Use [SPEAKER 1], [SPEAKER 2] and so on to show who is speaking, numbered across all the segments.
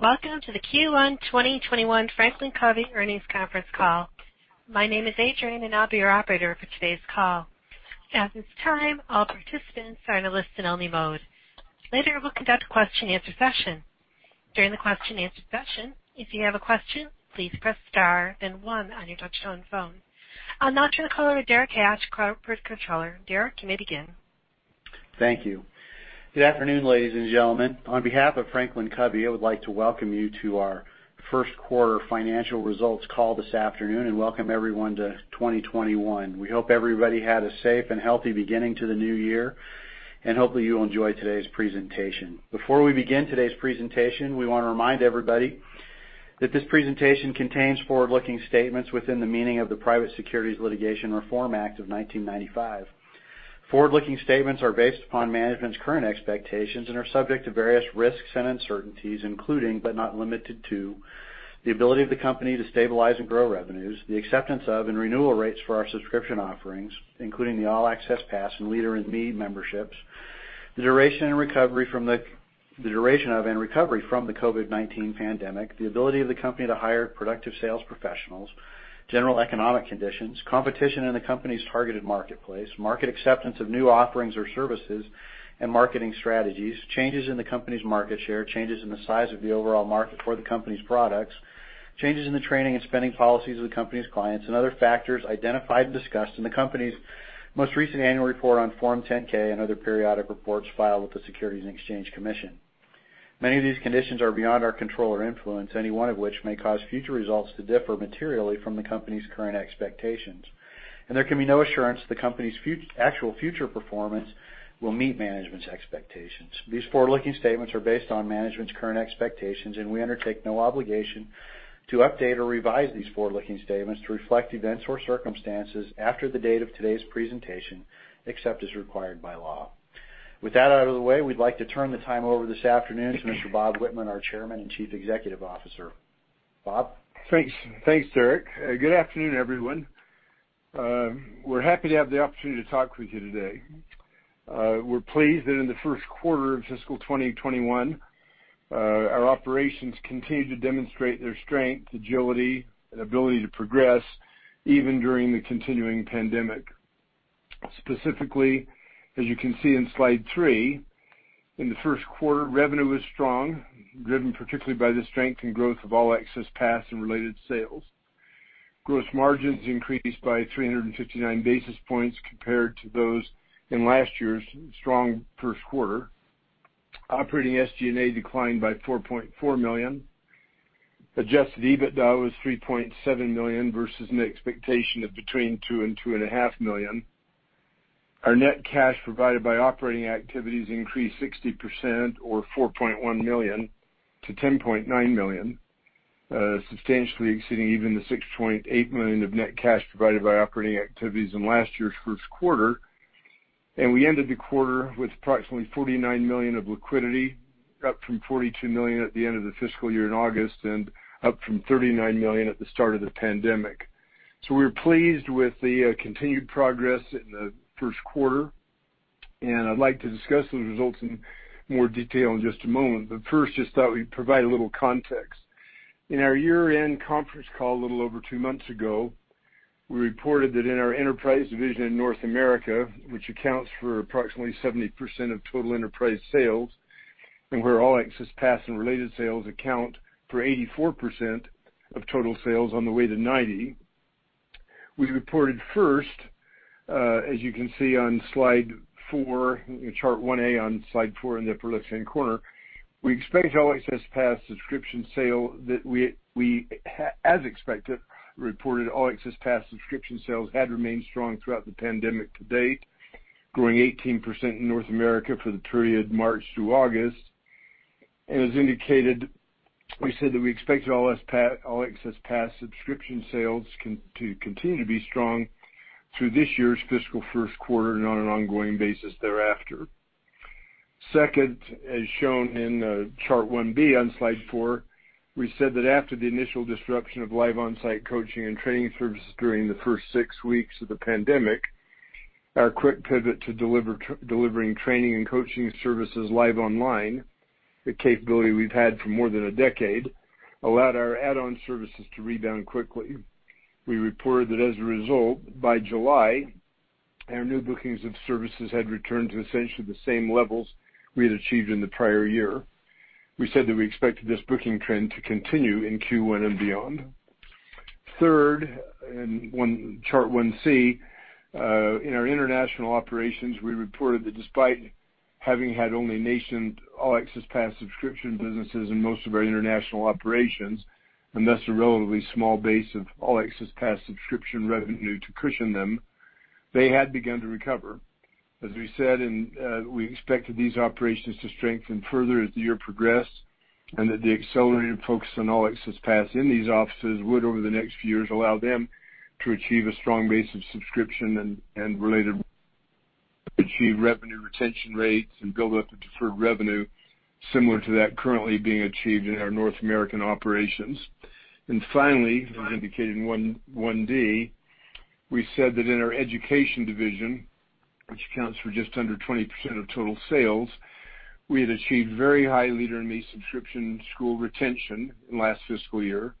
[SPEAKER 1] Welcome to the Q1 2021 FranklinCovey Earnings Conference Call. My name is Adrienne, and I'll be your operator for today's call. At this time, all participants are in a listen-only mode. Later, we'll conduct a question and answer session. During the question and answer session, if you have a question, please press star then one on your touch-tone phone. I'll now turn the call over to Derek Hatch, Corporate Controller. Derek, you may begin.
[SPEAKER 2] Thank you. Good afternoon, ladies and gentlemen. On behalf of FranklinCovey, I would like to welcome you to our first quarter financial results call this afternoon and welcome everyone to 2021. We hope everybody had a safe and healthy beginning to the new year, and hopefully you'll enjoy today's presentation. Before we begin today's presentation, we want to remind everybody that this presentation contains forward-looking statements within the meaning of the Private Securities Litigation Reform Act of 1995. Forward-looking statements are based upon management's current expectations and are subject to various risks and uncertainties, including but not limited to, the ability of the company to stabilize and grow revenues, the acceptance of and renewal rates for our subscription offerings, including the All Access Pass and Leader in Me memberships, the duration of and recovery from the COVID-19 pandemic, the ability of the company to hire productive sales professionals, general economic conditions, competition in the company's targeted marketplace, market acceptance of new offerings or services and marketing strategies, changes in the company's market share, changes in the size of the overall market for the company's products, changes in the training and spending policies of the company's clients and other factors identified and discussed in the company's most recent annual report on Form 10-K and other periodic reports filed with the Securities and Exchange Commission. Many of these conditions are beyond our control or influence, any one of which may cause future results to differ materially from the company's current expectations, and there can be no assurance the company's actual future performance will meet management's expectations. These forward-looking statements are based on management's current expectations, and we undertake no obligation to update or revise these forward-looking statements to reflect events or circumstances after the date of today's presentation, except as required by law. With that out of the way, we'd like to turn the time over this afternoon to Mr. Bob Whitman, our Chairman and Chief Executive Officer. Bob?
[SPEAKER 3] Thanks, Derek. Good afternoon, everyone. We're happy to have the opportunity to talk with you today. We're pleased that in the first quarter of fiscal 2021, our operations continued to demonstrate their strength, agility, and ability to progress even during the continuing pandemic. Specifically, as you can see in slide three, in the first quarter, revenue was strong, driven particularly by the strength and growth of All Access Pass and related sales. Gross margins increased by 359 basis points compared to those in last year's strong first quarter. Operating SG&A declined by $4.4 million. Adjusted EBITDA was $3.7 million versus an expectation of between $2 million and $2.5 million. Our net cash provided by operating activities increased 60% or $4.1 million to $10.9 million, substantially exceeding even the $6.8 million of net cash provided by operating activities in last year's first quarter. We ended the quarter with approximately $49 million of liquidity, up from $42 million at the end of the fiscal year in August and up from $39 million at the start of the pandemic. We're pleased with the continued progress in the first quarter, and I'd like to discuss those results in more detail in just a moment. First, just thought we'd provide a little context. In our year-end conference call a little over two months ago, we reported that in our enterprise division in North America, which accounts for approximately 70% of total enterprise sales and where All Access Pass and related sales account for 84% of total sales on the way to 90%. We reported first, as you can see on slide four, chart 1A on slide four in the upper left-hand corner, as expected, reported All Access Pass subscription sales had remained strong throughout the pandemic to date, growing 18% in North America for the period March through August. As indicated, we said that we expected All Access Pass subscription sales to continue to be strong through this year's fiscal first quarter and on an ongoing basis thereafter. Second, as shown in chart 1B on slide four, we said that after the initial disruption of live on-site coaching and training services during the first six weeks of the pandemic, our quick pivot to delivering training and coaching services live online, a capability we've had for more than a decade, allowed our add-on services to rebound quickly. We reported that as a result, by July, our new bookings of services had returned to essentially the same levels we had achieved in the prior year. We said that we expected this booking trend to continue in Q1 and beyond. Third, in chart 1C, in our international operations, we reported that despite having had only nascent All Access Pass subscription businesses in most of our international operations, and thus a relatively small base of All Access Pass subscription revenue to cushion them, they had begun to recover. As we said, we expected these operations to strengthen further as the year progressed, and that the accelerated focus on All Access Pass in these offices would, over the next few years, allow them to achieve a strong base of subscription and related revenue retention rates and build up the deferred revenue similar to that currently being achieved in our North American operations. Finally, as indicated in 1D, we said that in our education division which accounts for just under 20% of total sales. We had achieved very high Leader in Me subscription school retention in last fiscal year,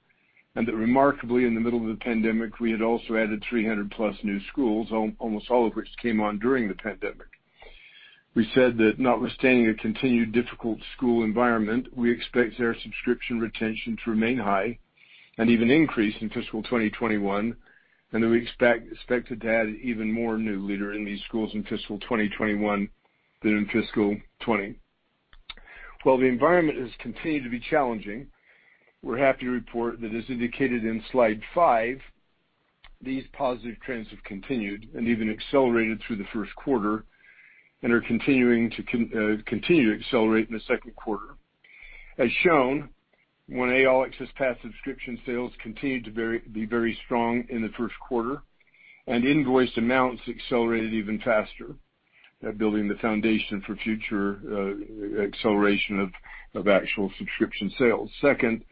[SPEAKER 3] and that remarkably, in the middle of the pandemic, we had also added 300-plus new schools, almost all of which came on during the pandemic. We said that notwithstanding a continued difficult school environment, we expect our subscription retention to remain high, and even increase in fiscal 2021, and that we expect to add even more new Leader in Me schools in fiscal 2021 than in fiscal 2020. While the environment has continued to be challenging, we're happy to report that as indicated in slide five, these positive trends have continued and even accelerated through the first quarter, and are continuing to accelerate in the second quarter. As shown, 1A, All Access Pass subscription sales continued to be very strong in the first quarter, and invoiced amounts accelerated even faster. They're building the foundation for future acceleration of actual subscription sales. Second,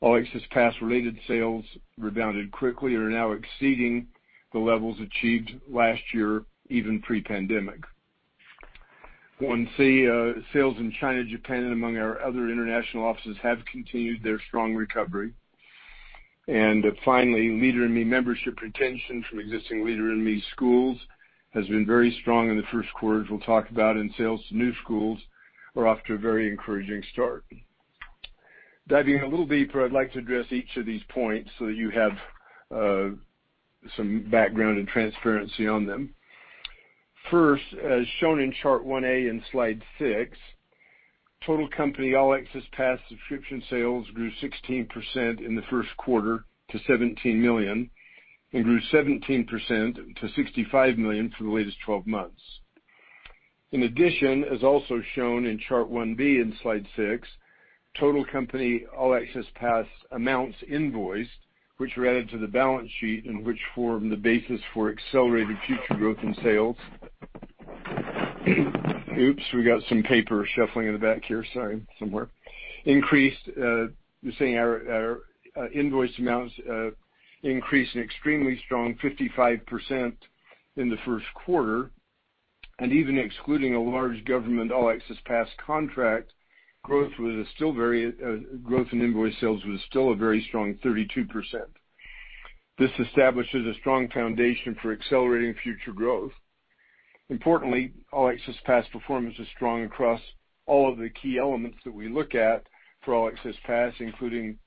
[SPEAKER 3] All Access Pass-related sales rebounded quickly and are now exceeding the levels achieved last year, even pre-pandemic. 1C, sales in China, Japan, and among our other international offices, have continued their strong recovery. Finally, Leader in Me membership retention from existing Leader in Me schools has been very strong in the first quarter, as we'll talk about in sales to new schools are off to a very encouraging start. Diving a little deeper, I'd like to address each of these points so that you have some background and transparency on them. First, as shown in chart 1A in slide six, total company All Access Pass subscription sales grew 16% in the first quarter to $17 million, and grew 17% to $65 million for the latest 12 months. In addition, as also shown in chart 1B in slide six, total company All Access Pass amounts invoiced, which were added to the balance sheet and which form the basis for accelerated future growth in sales. Oops, we got some paper shuffling in the back here. Sorry. Our invoice amounts increased an extremely strong 55% in the first quarter. Even excluding a large government All Access Pass contract, growth in invoice sales was still a very strong 32%. This establishes a strong foundation for accelerating future growth. Importantly, All Access Pass performance is strong across all of the key elements that we look at for All Access Pass, including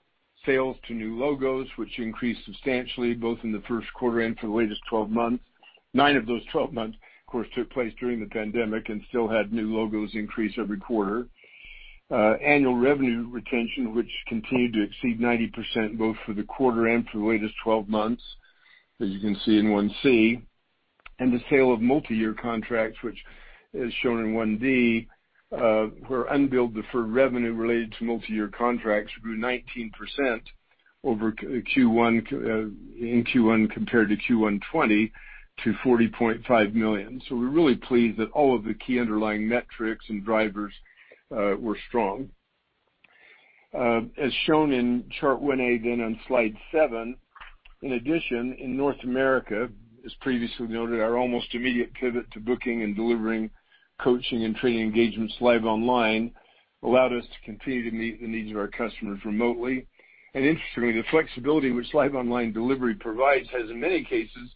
[SPEAKER 3] sales to new logos, which increased substantially both in the first quarter and for the latest 12 months. Nine of those 12 months, of course, took place during the pandemic and still had new logos increase every quarter. Annual revenue retention, which continued to exceed 90%, both for the quarter and for the latest 12 months, as you can see in 1C, the sale of multi-year contracts, which is shown in 1D, where unbilled deferred revenue related to multi-year contracts grew 19% in Q1 compared to Q1 2020 to $40.5 million. We're really pleased that all of the key underlying metrics and drivers were strong. As shown in chart 1A, again, on slide seven, in addition, in North America, as previously noted, our almost immediate pivot to booking and delivering coaching and training engagements live online allowed us to continue to meet the needs of our customers remotely. Interestingly, the flexibility which live online delivery provides has, in many cases,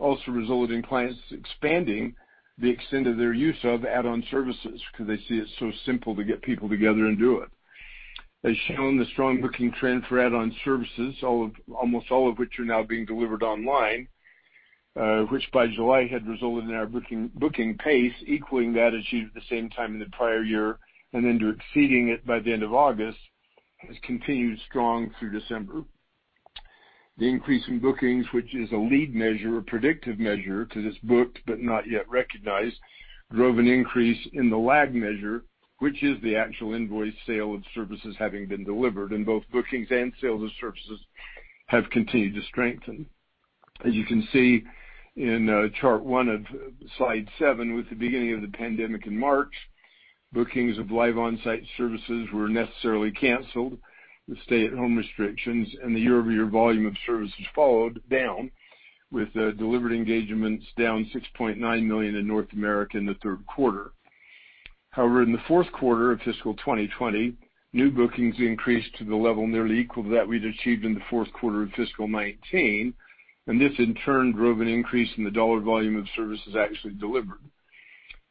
[SPEAKER 3] also resulted in clients expanding the extent of their use of add-on services because they see it's so simple to get people together and do it. As shown, the strong booking trend for add-on services, almost all of which are now being delivered online, which by July had resulted in our booking pace equaling that achieved at the same time in the prior year then exceeding it by the end of August, has continued strong through December. The increase in bookings, which is a lead measure, a predictive measure, because it's booked but not yet recognized, drove an increase in the lag measure, which is the actual invoice sale of services having been delivered, both bookings and sale of services have continued to strengthen. As you can see in chart one of slide seven, with the beginning of the pandemic in March, bookings of live on-site services were necessarily canceled with stay-at-home restrictions, the year-over-year volume of services followed down, with delivered engagements down $6.9 million in North America in the third quarter. In the fourth quarter of fiscal 2020, new bookings increased to the level nearly equal to that we'd achieved in the fourth quarter of fiscal 2019, this in turn drove an increase in the dollar volume of services actually delivered.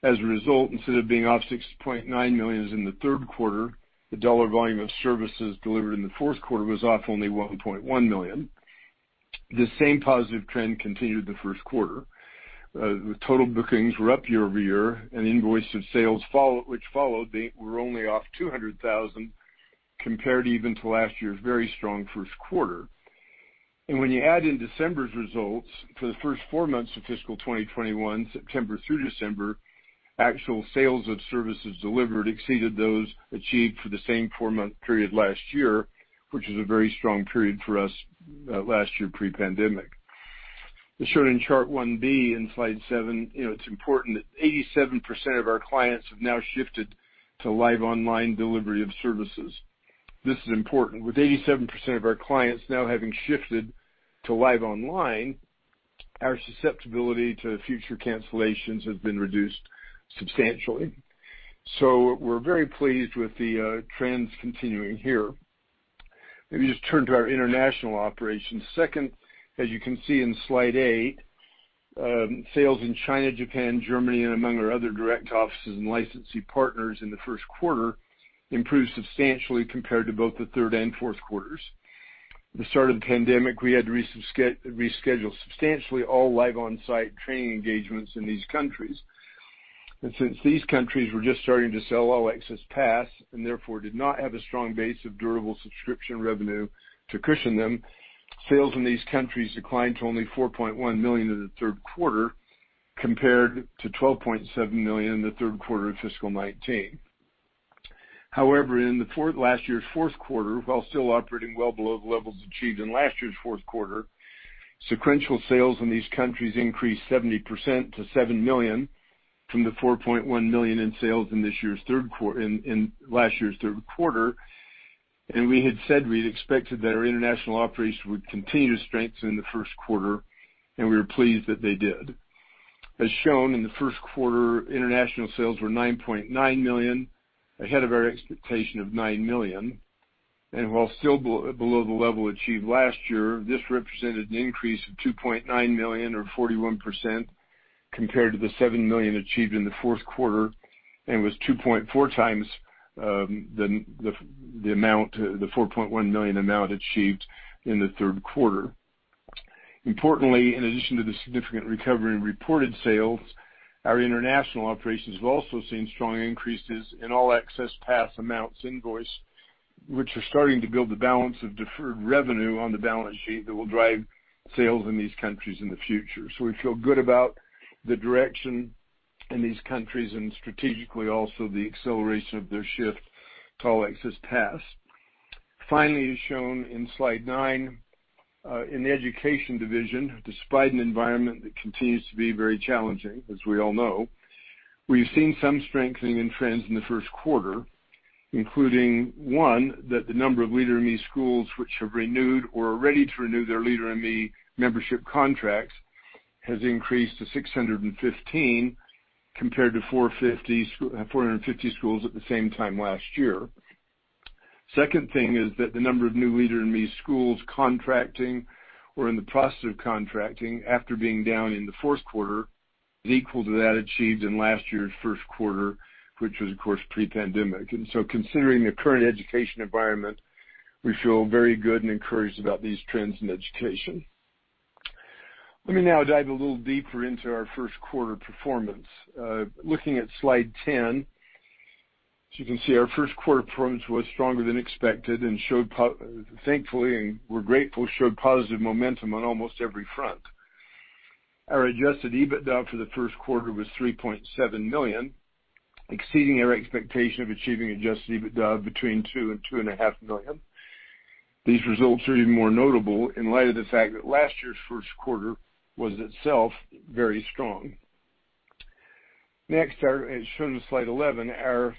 [SPEAKER 3] As a result, instead of being off $6.9 million as in the third quarter, the dollar volume of services delivered in the fourth quarter was off only $1.1 million. This same positive trend continued the first quarter. The total bookings were up year-over-year, invoice of sales which followed were only off $200,000 compared even to last year's very strong first quarter. When you add in December's results for the first four months of fiscal 2021, September through December, actual sales of services delivered exceeded those achieved for the same four-month period last year, which was a very strong period for us last year pre-pandemic. As shown in chart 1B in slide seven, it's important that 87% of our clients have now shifted to live online delivery of services. This is important. With 87% of our clients now having shifted to live online, our susceptibility to future cancellations has been reduced substantially. We're very pleased with the trends continuing here. Let me just turn to our international operations. Since you can see in slide eight, sales in China, Japan, Germany, and among our other direct offices and licensee partners in the first quarter improved substantially compared to both the third and fourth quarters. At the start of the pandemic, we had to reschedule substantially all live on-site training engagements in these countries. Since these countries were just starting to sell All Access Pass, and therefore did not have a strong base of durable subscription revenue to cushion them, sales in these countries declined to only $4.1 million in the third quarter, compared to $12.7 million in the third quarter of fiscal 2019. In last year's fourth quarter, while still operating well below the levels achieved in last year's fourth quarter, sequential sales in these countries increased 70% to $7 million from the $4.1 million in sales in last year's third quarter. We had said we had expected that our international operations would continue to strengthen in the first quarter, and we were pleased that they did. As shown in the first quarter, international sales were $9.9 million, ahead of our expectation of $9 million. While still below the level achieved last year, this represented an increase of $2.9 million or 41% compared to the $7 million achieved in the fourth quarter and was 2.4 times the $4.1 million amount achieved in the third quarter. Importantly, in addition to the significant recovery in reported sales, our international operations have also seen strong increases in All Access Pass amounts invoiced, which are starting to build the balance of deferred revenue on the balance sheet that will drive sales in these countries in the future. We feel good about the direction in these countries and strategically also the acceleration of their shift to All Access Pass. Finally, as shown in slide nine, in the Education division, despite an environment that continues to be very challenging, as we all know, we've seen some strengthening in trends in the first quarter, including, one, that the number of Leader in Me schools which have renewed or are ready to renew their Leader in Me membership contracts has increased to 615 compared to 450 schools at the same time last year. Second thing is that the number of new Leader in Me schools contracting or in the process of contracting after being down in the fourth quarter, is equal to that achieved in last year's first quarter, which was, of course, pre-pandemic. Considering the current education environment, we feel very good and encouraged about these trends in education. Let me now dive a little deeper into our first quarter performance. Looking at slide 10, as you can see, our first quarter performance was stronger than expected and thankfully, we're grateful, showed positive momentum on almost every front. Our Adjusted EBITDA for the first quarter was $3.7 million, exceeding our expectation of achieving Adjusted EBITDA between $2 million and $2.5 million. These results are even more notable in light of the fact that last year's first quarter was itself very strong. As shown in slide 11, our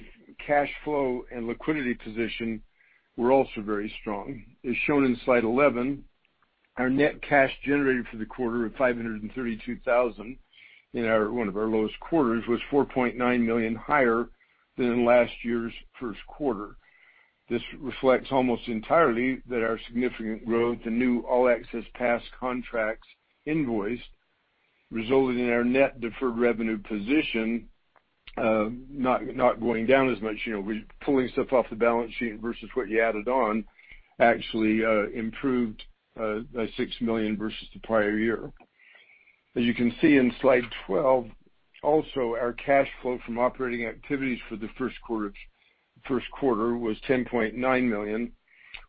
[SPEAKER 3] cash flow and liquidity position were also very strong. As shown in slide 11, our net cash generated for the quarter of $532,000 in one of our lowest quarters was $4.9 million higher than last year's first quarter. This reflects almost entirely that our significant growth to new All Access Pass contracts invoiced, resulting in our net deferred revenue position, not going down as much. We're pulling stuff off the balance sheet versus what you added on, actually improved by $6 million versus the prior year. As you can see in slide 12, also, our cash flow from operating activities for the first quarter was $10.9 million,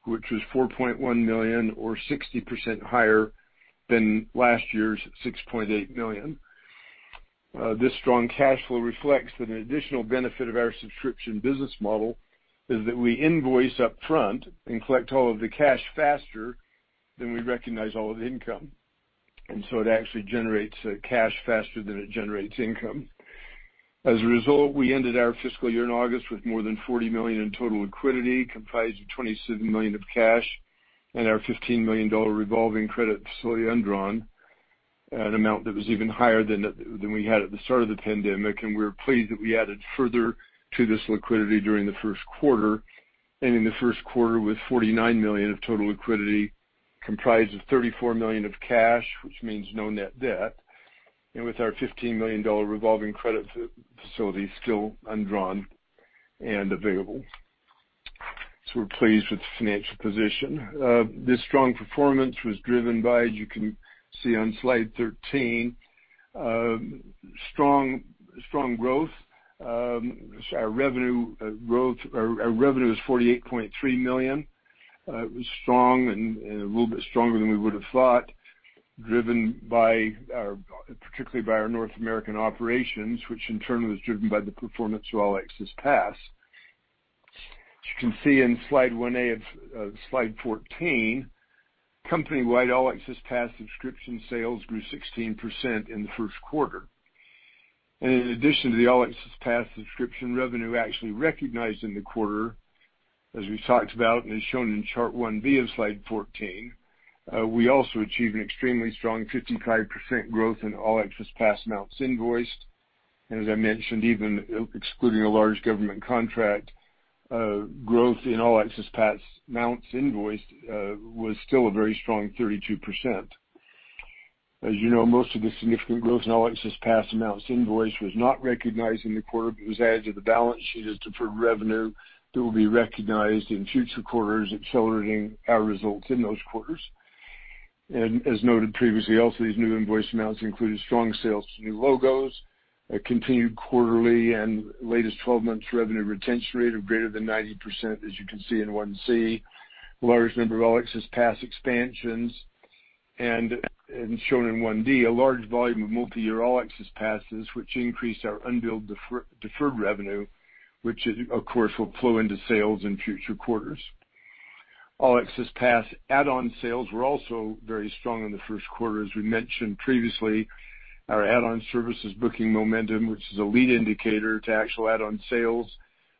[SPEAKER 3] which was $4.1 million or 60% higher than last year's $6.8 million. This strong cash flow reflects that an additional benefit of our subscription business model is that we invoice upfront and collect all of the cash faster than we recognize all of the income. It actually generates cash faster than it generates income. As a result, we ended our fiscal year in August with more than $40 million in total liquidity, comprised of $27 million of cash and our $15 million revolving credit facility undrawn, an amount that was even higher than we had at the start of the pandemic. We're pleased that we added further to this liquidity during the first quarter. In the first quarter, with $49 million of total liquidity, comprised of $34 million of cash, which means no net debt, and with our $15 million revolving credit facility still undrawn and available. We're pleased with the financial position. This strong performance was driven by, as you can see on slide 13, strong growth. Our revenue is $48.3 million. It was strong and a little bit stronger than we would have thought, driven particularly by our North American operations, which in turn was driven by the performance of All Access Pass. As you can see in slide 1A of slide 14, company-wide All Access Pass subscription sales grew 16% in the first quarter. In addition to the All Access Pass subscription revenue actually recognized in the quarter, as we talked about and is shown in chart 1B of slide 14, we also achieved an extremely strong 55% growth in All Access Pass amounts invoiced. As I mentioned, even excluding a large government contract, growth in All Access Pass amounts invoiced was still a very strong 32%. As you know, most of the significant growth in All Access Pass amounts invoiced was not recognized in the quarter, but was added to the balance sheet as deferred revenue that will be recognized in future quarters, accelerating our results in those quarters. As noted previously, also these new invoice amounts included strong sales to new logos, a continued quarterly and latest 12 months revenue retention rate of greater than 90%, as you can see in 1C, a large number of All Access Pass expansions and, shown in 1D, a large volume of multiyear All Access Passes, which increased our unbilled deferred revenue, which of course will flow into sales in future quarters. All Access Pass add-on sales were also very strong in the first quarter. As we mentioned previously, our add-on services booking momentum, which is a lead indicator to actual add-on sales,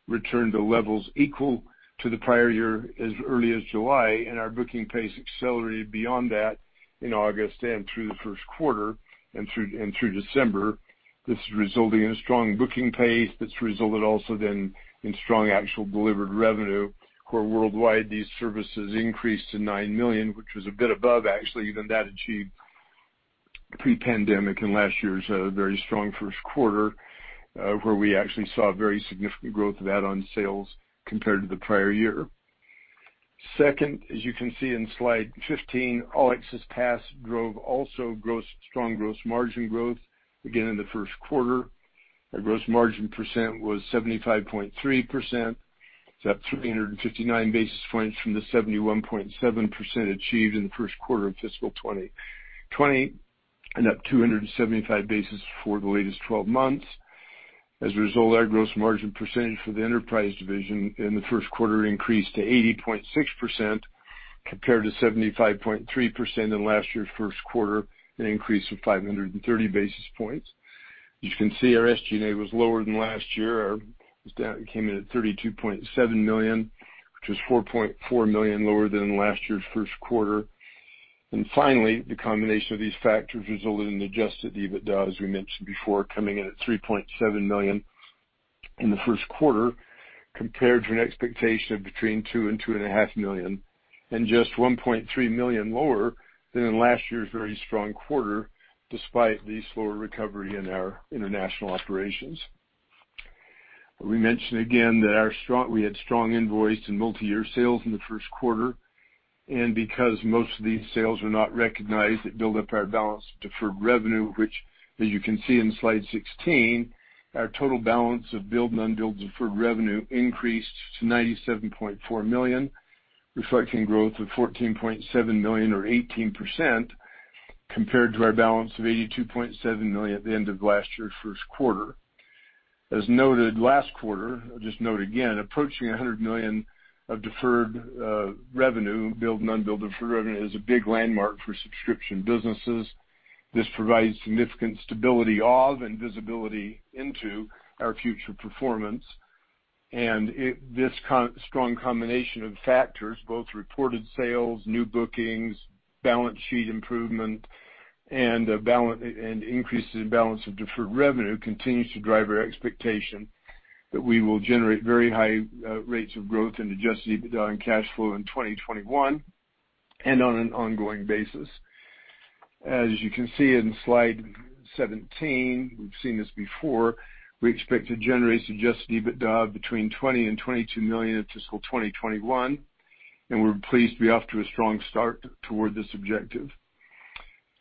[SPEAKER 3] returned to levels equal to the prior year as early as July, and our booking pace accelerated beyond that in August and through the first quarter and through December. This is resulting in a strong booking pace that's resulted also then in strong actual delivered revenue, where worldwide these services increased to $9 million, which was a bit above actually even that achieved pre-pandemic in last year's very strong first quarter, where we actually saw very significant growth of add-on sales compared to the prior year. Second, as you can see in slide 15, All Access Pass drove also strong gross margin growth again in the first quarter. Our gross margin percent was 75.3%. It's up 359 basis points from the 71.7% achieved in the first quarter of fiscal 2020 and up 275 basis for the latest 12 months. Our gross margin percentage for the enterprise division in the first quarter increased to 80.6%, compared to 75.3% in last year's first quarter, an increase of 530 basis points. Our SG&A was lower than last year. It came in at $32.7 million, which was $4.4 million lower than last year's first quarter. Finally, the combination of these factors resulted in Adjusted EBITDA, as we mentioned before, coming in at $3.7 million in the first quarter, compared to an expectation of between two and two and a half million, and just $1.3 million lower than in last year's very strong quarter, despite the slower recovery in our international operations. We mention again that we had strong invoice and multiyear sales in the first quarter. Because most of these sales were not recognized, it built up our balance of deferred revenue, which, as you can see in slide 16, our total balance of billed and unbilled deferred revenue increased to $97.4 million, reflecting growth of $14.7 million, or 18%, compared to our balance of $82.7 million at the end of last year's first quarter. As noted last quarter, I'll just note again, approaching $100 million of deferred revenue, billed and unbilled deferred revenue, is a big landmark for subscription businesses. This provides significant stability of and visibility into our future performance. This strong combination of factors, both reported sales, new bookings, balance sheet improvement, and increases in balance of deferred revenue, continues to drive our expectation that we will generate very high rates of growth in Adjusted EBITDA and cash flow in 2021 and on an ongoing basis. We've seen this before, we expect to generate Adjusted EBITDA of between $20 million and $22 million in fiscal 2021, and we're pleased to be off to a strong start toward this objective.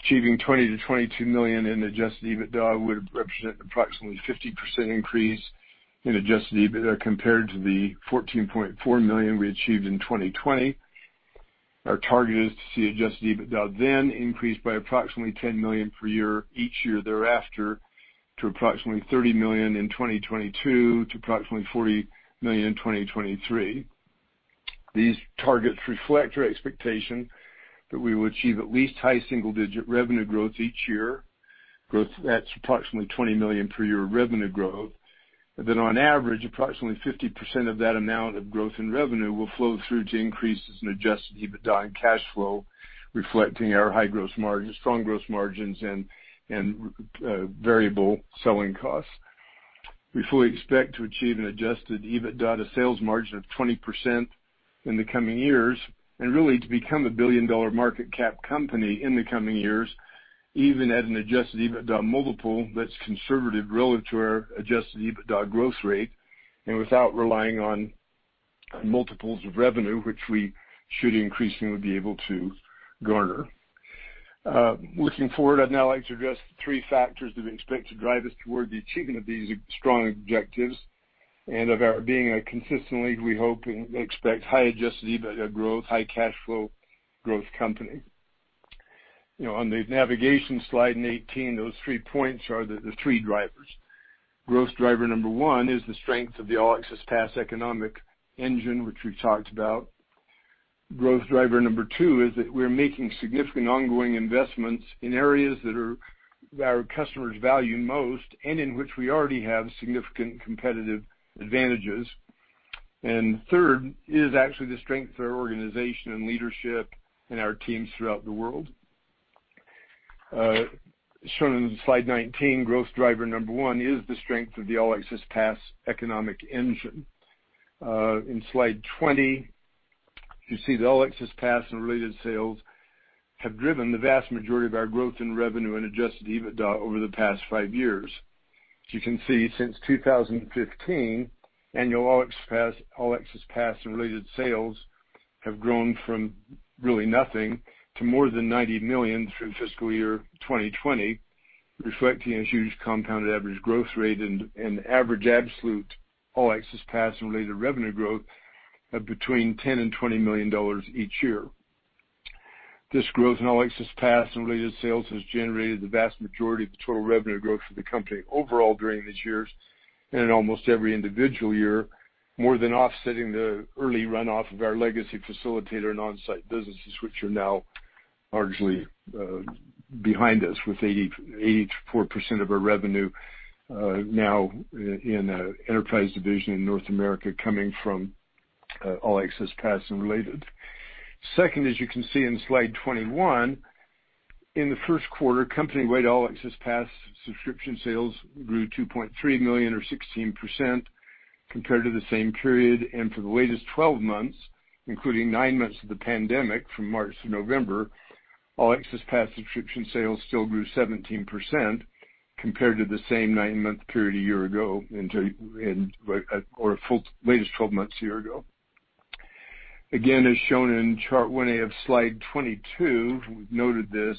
[SPEAKER 3] Achieving $20 million-$22 million in Adjusted EBITDA would represent approximately a 50% increase in Adjusted EBITDA compared to the $14.4 million we achieved in 2020. Our target is to see Adjusted EBITDA then increase by approximately $10 million per year each year thereafter to approximately $30 million in 2022 to approximately $40 million in 2023. These targets reflect our expectation that we will achieve at least high single-digit revenue growth each year. Growth that's approximately $20 million per year revenue growth. On average, approximately 50% of that amount of growth in revenue will flow through to increases in Adjusted EBITDA and cash flow, reflecting our high gross margin, strong gross margins, and variable selling costs. We fully expect to achieve an Adjusted EBITDA to sales margin of 20% in the coming years and really to become a billion-dollar market cap company in the coming years, even at an Adjusted EBITDA multiple that's conservative relative to our Adjusted EBITDA growth rate and without relying on multiples of revenue, which we should increasingly be able to garner. Looking forward, I'd now like to address the three factors that we expect to drive us toward the achievement of these strong objectives and of our being a consistently, we hope and expect, high Adjusted EBITDA growth, high cash flow growth company. On the navigation slide, in 18, those three points are the three drivers. Growth driver number one is the strength of the All Access Pass economic engine, which we talked about. Growth driver number two is that we're making significant ongoing investments in areas that our customers value most and in which we already have significant competitive advantages. Third is actually the strength of our organization and leadership and our teams throughout the world. Shown in slide 19, growth driver number one is the strength of the All Access Pass economic engine. In slide 20, you see the All Access Pass and related sales have driven the vast majority of our growth in revenue and Adjusted EBITDA over the past five years. As you can see, since 2015, annual All Access Pass and related sales have grown from really nothing to more than $90 million through fiscal year 2020, reflecting a huge compounded average growth rate and average absolute All Access Pass and related revenue growth of between $10 million and $20 million each year. This growth in All Access Pass and related sales has generated the vast majority of the total revenue growth for the company overall during these years, and in almost every individual year, more than offsetting the early runoff of our legacy facilitator and on-site businesses, which are now largely behind us with 84% of our revenue now in the enterprise division in North America coming from All Access Pass and related. Second, as you can see in slide 21, in the first quarter, company-wide All Access Pass subscription sales grew $2.3 million or 16% compared to the same period. For the latest 12 months, including nine months of the pandemic from March to November, All Access Pass subscription sales still grew 17% compared to the same nine-month period a year ago, or latest 12 months a year ago. As shown in chart 1A of slide 22, we've noted this,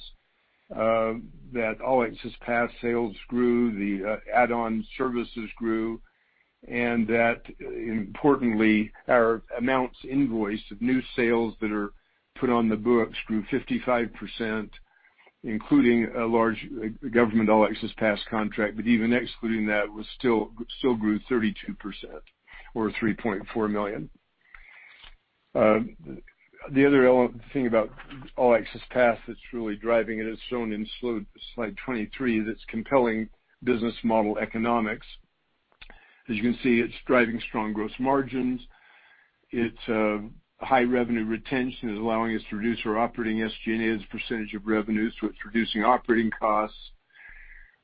[SPEAKER 3] that All Access Pass sales grew, the add-on services grew, and that importantly, our amounts invoiced of new sales that are put on the books grew 55%, including a large government All Access Pass contract. Even excluding that, we still grew 32% or $3.4 million. The other thing about All Access Pass that's really driving it is shown in slide 23, that's compelling business model economics. As you can see, it's driving strong gross margins. Its high revenue retention is allowing us to reduce our operating SG&A as percentage of revenue, so it's reducing operating costs.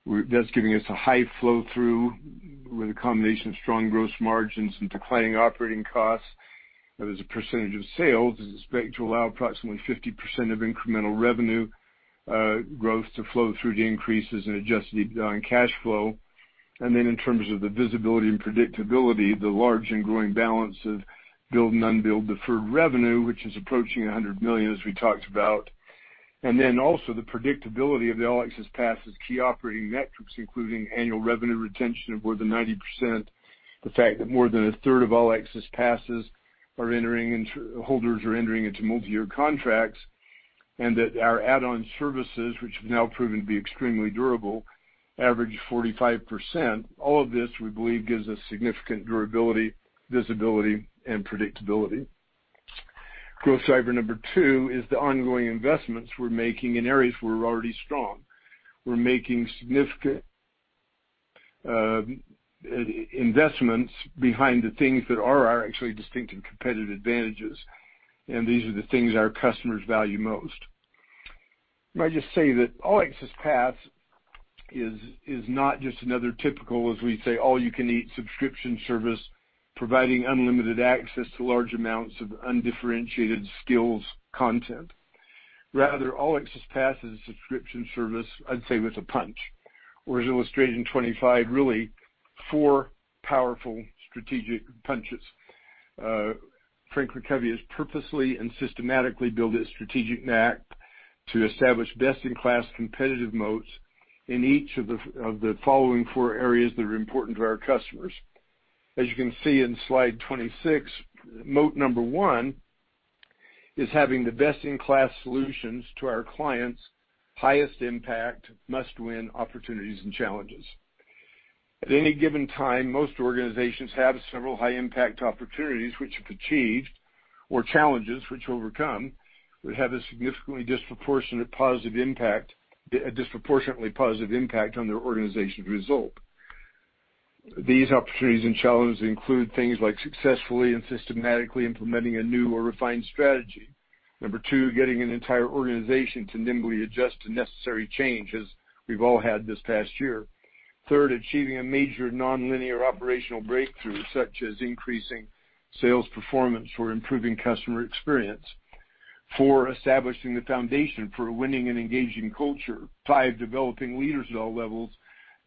[SPEAKER 3] That's giving us a high flow-through with a combination of strong gross margins and declining operating costs as a percentage of sales, is expected to allow approximately 50% of incremental revenue growth to flow through to increases in Adjusted EBITDA and cash flow. In terms of the visibility and predictability, the large and growing balance of billed and unbilled deferred revenue, which is approaching $100 million, as we talked about. Also the predictability of the All Access Pass' key operating metrics, including annual revenue retention of more than 90%. The fact that more than a third of All Access Pass holders are entering into multi-year contracts, and that our add-on services, which have now proven to be extremely durable, average 45%. All of this, we believe, gives us significant durability, visibility, and predictability. Growth driver number 2 is the ongoing investments we're making in areas where we're already strong. We're making significant investments behind the things that are our actually distinct and competitive advantages, and these are the things our customers value most. I might just say that All Access Pass is not just another typical, as we say, all-you-can-eat subscription service providing unlimited access to large amounts of undifferentiated skills content. Rather, All Access Pass is a subscription service, I'd say, with a punch. As illustrated in 25, really four powerful strategic punches. FranklinCovey has purposely and systematically built its strategic moat to establish best-in-class competitive moats in each of the following four areas that are important to our customers. As you can see in slide 26, moat number 1 is having the best-in-class solutions to our clients' highest impact, must-win opportunities and challenges. At any given time, most organizations have several high-impact opportunities which if achieved, or challenges which overcome, would have a significantly disproportionate positive impact on their organization's result. These opportunities and challenges include things like successfully and systematically implementing a new or refined strategy. Number 2, getting an entire organization to nimbly adjust to necessary change, as we've all had this past year. Third, achieving a major nonlinear operational breakthrough, such as increasing sales performance or improving customer experience. 4, establishing the foundation for a winning and engaging culture. 5, developing leaders at all levels,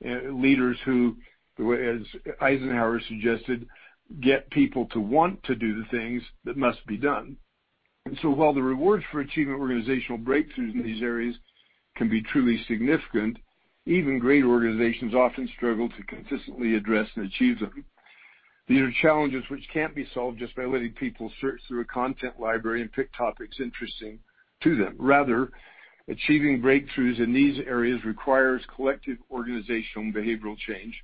[SPEAKER 3] leaders who, as Eisenhower suggested, get people to want to do the things that must be done. While the rewards for achieving organizational breakthroughs in these areas can be truly significant, even great organizations often struggle to consistently address and achieve them. These are challenges which can't be solved just by letting people search through a content library and pick topics interesting to them. Rather, achieving breakthroughs in these areas requires collective organizational and behavioral change.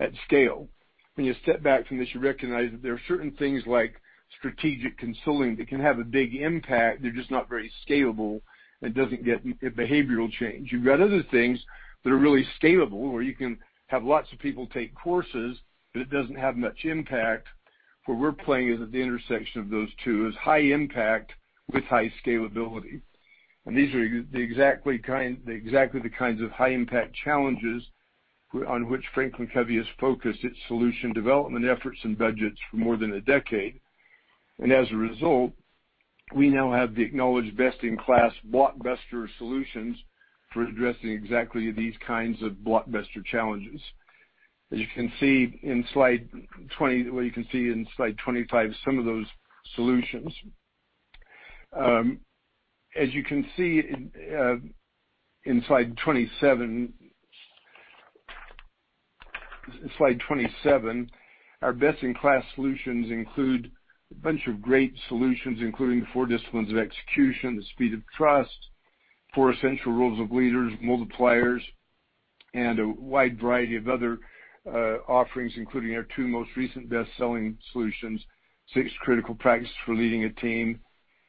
[SPEAKER 3] At scale. When you step back from this, you recognize that there are certain things like strategic consulting that can have a big impact. They're just not very scalable, and it doesn't get behavioral change. You've got other things that are really scalable, where you can have lots of people take courses, but it doesn't have much impact. Where we're playing is at the intersection of those two is high impact with high scalability. These are exactly the kinds of high-impact challenges on which FranklinCovey has focused its solution development efforts and budgets for more than a decade. As a result, we now have the acknowledged best-in-class blockbuster solutions for addressing exactly these kinds of blockbuster challenges. As you can see in slide 25, some of those solutions. As you can see in slide 27, our best-in-class solutions include a bunch of great solutions, including The 4 Disciplines of Execution, The Speed of Trust, The 4 Essential Roles of Leaders, Multipliers, and a wide variety of other offerings, including our two most recent best-selling solutions, The Six Critical Practices for Leading a Team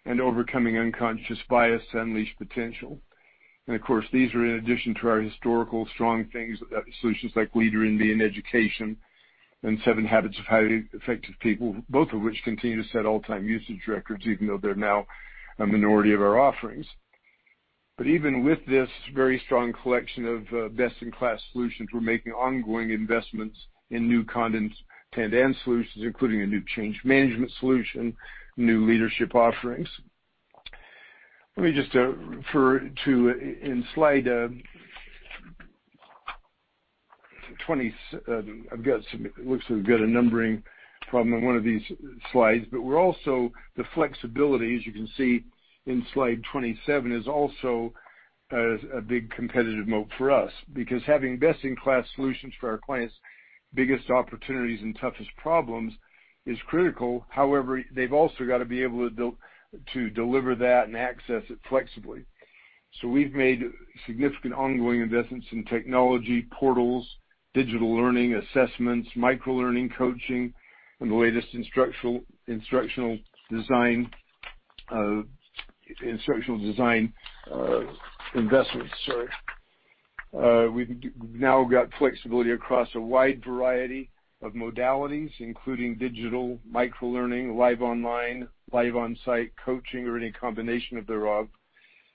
[SPEAKER 3] and Overcoming Unconscious Bias to Unleash Potential. Of course, these are in addition to our historical strong things, solutions like Leader in Me in education and The 7 Habits of Highly Effective People, both of which continue to set all-time usage records, even though they're now a minority of our offerings. Even with this very strong collection of best-in-class solutions, we're making ongoing investments in new content and solutions, including a new change management solution, new leadership offerings. Let me just refer to in. It looks like we've got a numbering problem in one of these slides. We're also, the flexibility, as you can see in slide 27, is also a big competitive moat for us, because having best-in-class solutions for our clients' biggest opportunities and toughest problems is critical. However, they've also got to be able to build to deliver that and access it flexibly. We've made significant ongoing investments in technology portals, digital learning assessments, micro-learning coaching, and the latest instructional design investments. Sorry. We've now got flexibility across a wide variety of modalities, including digital, micro-learning, live online, live on-site coaching, or any combination thereof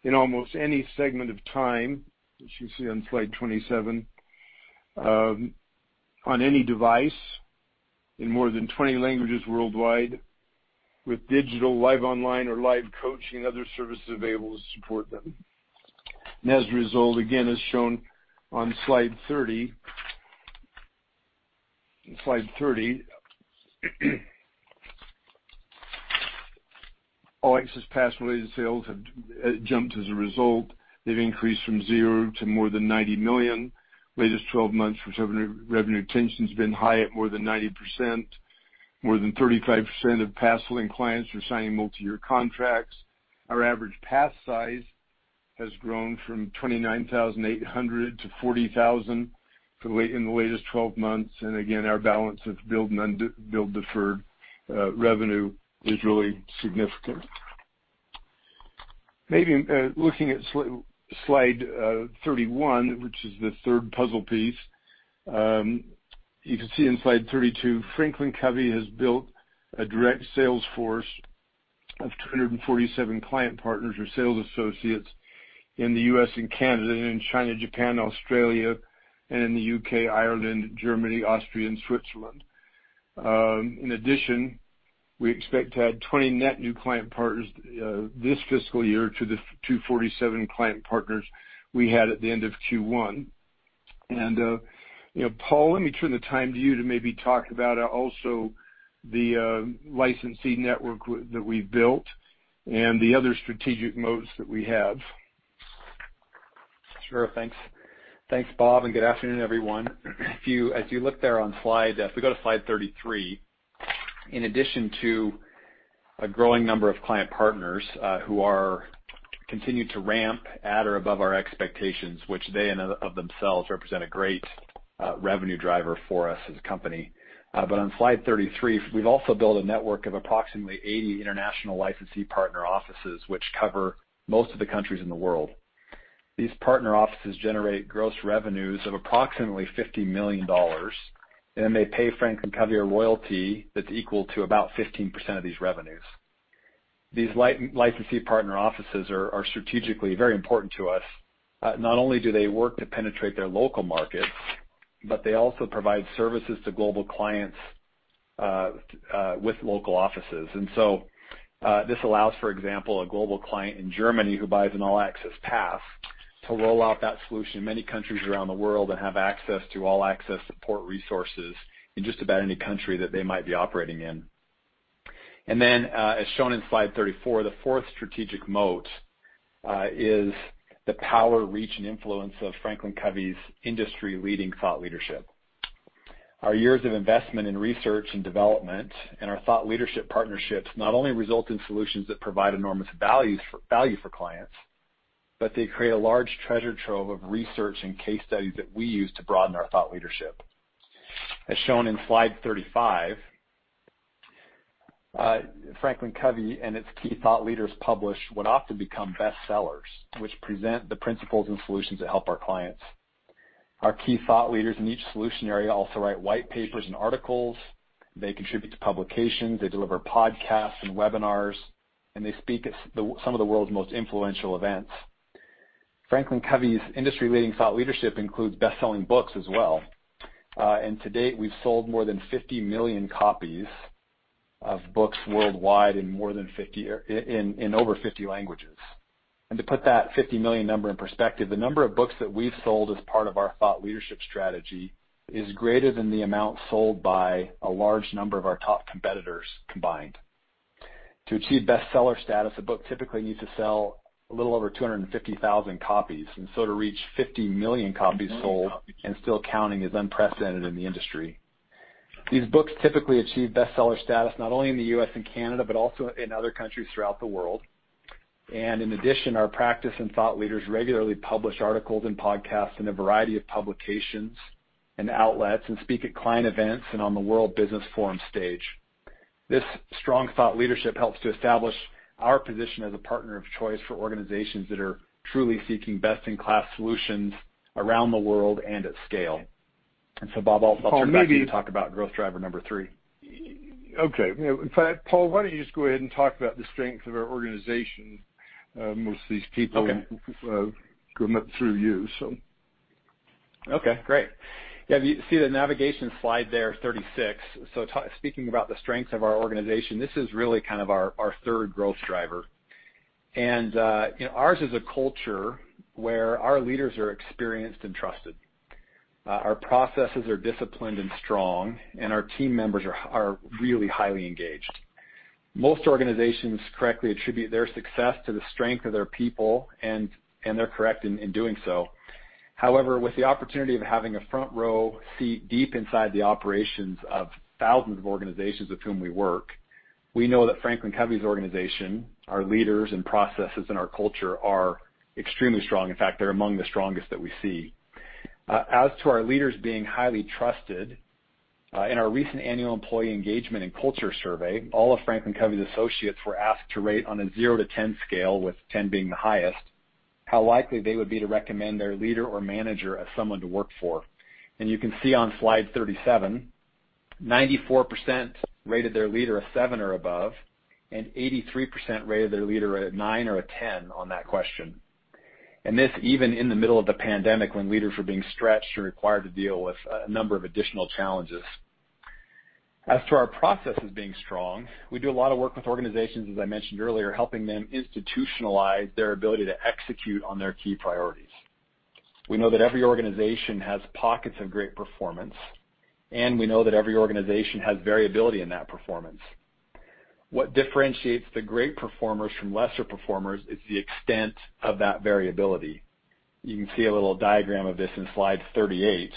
[SPEAKER 3] in almost any segment of time, as you see on slide 27, on any device in more than 20 languages worldwide, with digital live online or live coaching and other services available to support them. As a result, again, as shown on slide 30, All Access Pass related sales have jumped as a result. They've increased from zero to more than $90 million. Latest 12 months for revenue retention has been high at more than 90%. More than 35% of Pass-selling clients are signing multi-year contracts. Our average Pass size has grown from $29,800 to $40,000 in the latest 12 months. Again, our balance of billed deferred revenue is really significant. Maybe looking at slide 31, which is the third puzzle piece. You can see in slide 32, FranklinCovey has built a direct sales force of 247 client partners or sales associates in the U.S. and Canada, and in China, Japan, Australia, and in the U.K., Ireland, Germany, Austria, and Switzerland. In addition, we expect to add 20 net new client partners this fiscal year to the 247 client partners we had at the end of Q1. Paul, let me turn the time to you to maybe talk about also the licensee network that we've built and the other strategic moats that we have.
[SPEAKER 4] Sure. Thanks. Thanks, Bob, and good afternoon, everyone. As you look there on slide 33, in addition to a growing number of client partners who are continuing to ramp at or above our expectations, which they in of themselves represent a great revenue driver for us as a company. On slide 33, we've also built a network of approximately 80 international licensee partner offices, which cover most of the countries in the world. These partner offices generate gross revenues of approximately $50 million, and they pay FranklinCovey a royalty that's equal to about 15% of these revenues. These licensee partner offices are strategically very important to us. Not only do they work to penetrate their local markets, but they also provide services to global clients with local offices. This allows, for example, a global client in Germany who buys an All Access Pass to roll out that solution in many countries around the world and have access to All Access support resources in just about any country that they might be operating in. As shown in Slide 34, the fourth strategic moat is the power, reach, and influence of FranklinCovey's industry-leading thought leadership. Our years of investment in research and development and our thought leadership partnerships not only result in solutions that provide enormous value for clients. They create a large treasure trove of research and case studies that we use to broaden our thought leadership. As shown in slide 35, FranklinCovey and its key thought leaders publish what often become bestsellers, which present the principles and solutions that help our clients. Our key thought leaders in each solution area also write white papers and articles. They contribute to publications. They deliver podcasts and webinars, and they speak at some of the world's most influential events. FranklinCovey's industry-leading thought leadership includes bestselling books as well. To date, we've sold more than 50 million copies of books worldwide in over 50 languages. To put that 50 million number in perspective, the number of books that we've sold as part of our thought leadership strategy is greater than the amount sold by a large number of our top competitors combined. To achieve bestseller status, a book typically needs to sell a little over 250,000 copies, so to reach 50 million copies sold and still counting is unprecedented in the industry. These books typically achieve bestseller status, not only in the U.S. and Canada, but also in other countries throughout the world. In addition, our practice and thought leaders regularly publish articles and podcasts in a variety of publications and outlets and speak at client events and on the World Business Forum stage. This strong thought leadership helps to establish our position as a partner of choice for organizations that are truly seeking best-in-class solutions around the world and at scale. Bob, I'll turn back to you to talk about growth driver number three.
[SPEAKER 3] Okay. In fact, Paul, why don't you just go ahead and talk about the strength of our organization, most of these people-
[SPEAKER 4] Okay
[SPEAKER 3] coming up through you.
[SPEAKER 4] Okay, great. If you see the navigation slide there, 36. Speaking about the strength of our organization, this is really kind of our third growth driver. Ours is a culture where our leaders are experienced and trusted. Our processes are disciplined and strong, and our team members are really highly engaged. Most organizations correctly attribute their success to the strength of their people, and they're correct in doing so. However, with the opportunity of having a front-row seat deep inside the operations of thousands of organizations with whom we work, we know that FranklinCovey's organization, our leaders and processes, and our culture are extremely strong. In fact, they're among the strongest that we see. As to our leaders being highly trusted, in our recent annual employee engagement and culture survey, all of Franklin Covey's associates were asked to rate on a zero to 10 scale, with 10 being the highest, how likely they would be to recommend their leader or manager as someone to work for. You can see on slide 37, 94% rated their leader a seven or above, and 83% rated their leader a nine or a 10 on that question. This, even in the middle of the pandemic, when leaders were being stretched and required to deal with a number of additional challenges. As to our processes being strong, we do a lot of work with organizations, as I mentioned earlier, helping them institutionalize their ability to execute on their key priorities. We know that every organization has pockets of great performance. We know that every organization has variability in that performance. What differentiates the great performers from lesser performers is the extent of that variability. You can see a little diagram of this in slide 38.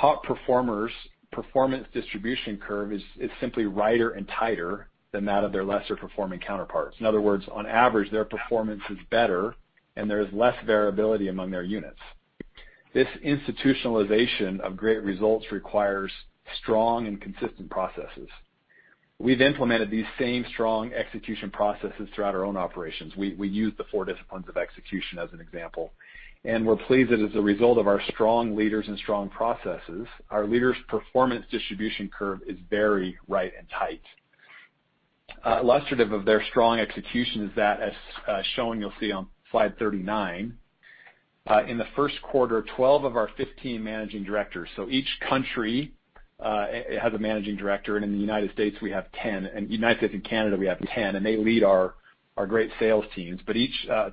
[SPEAKER 4] Top performers' performance distribution curve is simply righter and tighter than that of their lesser-performing counterparts. In other words, on average, their performance is better, and there is less variability among their units. This institutionalization of great results requires strong and consistent processes. We've implemented these same strong execution processes throughout our own operations. We use The 4 Disciplines of Execution as an example, and we're pleased that as a result of our strong leaders and strong processes, our leaders' performance distribution curve is very right and tight. Illustrative of their strong execution is that as shown, you'll see on slide 39. In the first quarter, 12 of our 15 managing directors, so each country has a managing director. In the United States and Canada, we have 10, and they lead our great sales teams.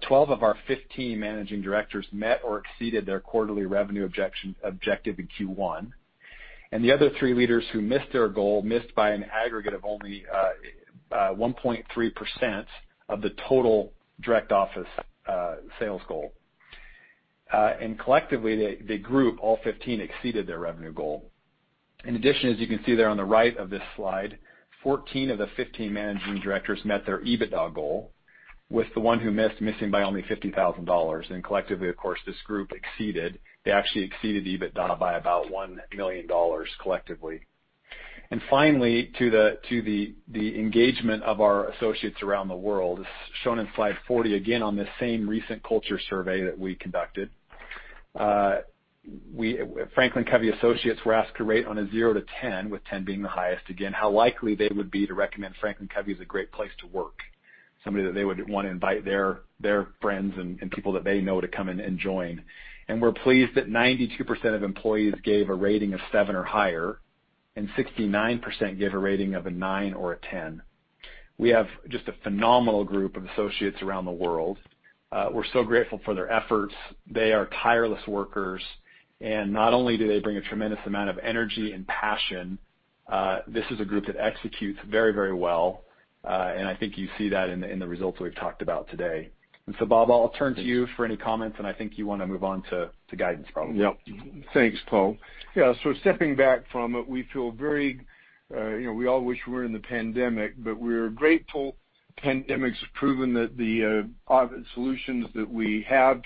[SPEAKER 4] 12 of our 15 managing directors met or exceeded their quarterly revenue objective in Q1. The other three leaders who missed their goal missed by an aggregate of only 1.3% of the total direct office sales goal. Collectively, the group, all 15, exceeded their revenue goal. In addition, as you can see there on the right of this slide, 14 of the 15 managing directors met their EBITDA goal, with the one who missed, missing by only $50,000. Collectively, of course, this group exceeded. They actually exceeded EBITDA by about $1 million collectively. Finally, to the engagement of our associates around the world, as shown in slide 40, again, on this same recent culture survey that we conducted. Franklin Covey associates were asked to rate on a zero to 10, with 10 being the highest, again, how likely they would be to recommend Franklin Covey as a great place to work, somewhere that they would want to invite their friends and people that they know to come in and join. We're pleased that 92% of employees gave a rating of seven or higher, and 69% gave a rating of a nine or a 10. We have just a phenomenal group of associates around the world. We're so grateful for their efforts. They are tireless workers, and not only do they bring a tremendous amount of energy and passion, this is a group that executes very well, and I think you see that in the results that we've talked about today. Bob, I'll turn to you for any comments, I think you want to move on to guidance probably.
[SPEAKER 3] Yep. Thanks, Paul. Stepping back from it, we all wish we weren't in the pandemic, but we're grateful pandemic has proven that the audit solutions that we have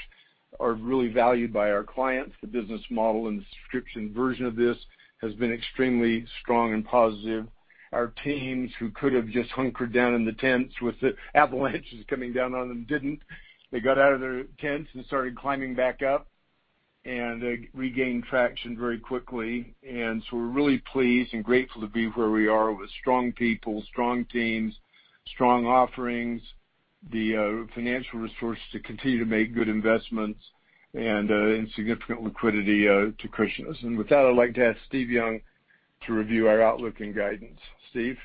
[SPEAKER 3] are really valued by our clients. The business model and subscription version of this has been extremely strong and positive. Our teams, who could have just hunkered down in the tents with the avalanches coming down on them, didn't. They got out of their tents and started climbing back up, and they regained traction very quickly. We're really pleased and grateful to be where we are with strong people, strong teams, strong offerings, the financial resources to continue to make good investments, and significant liquidity to cushion us. With that, I'd like to ask Steve Young to review our outlook and guidance. Steve?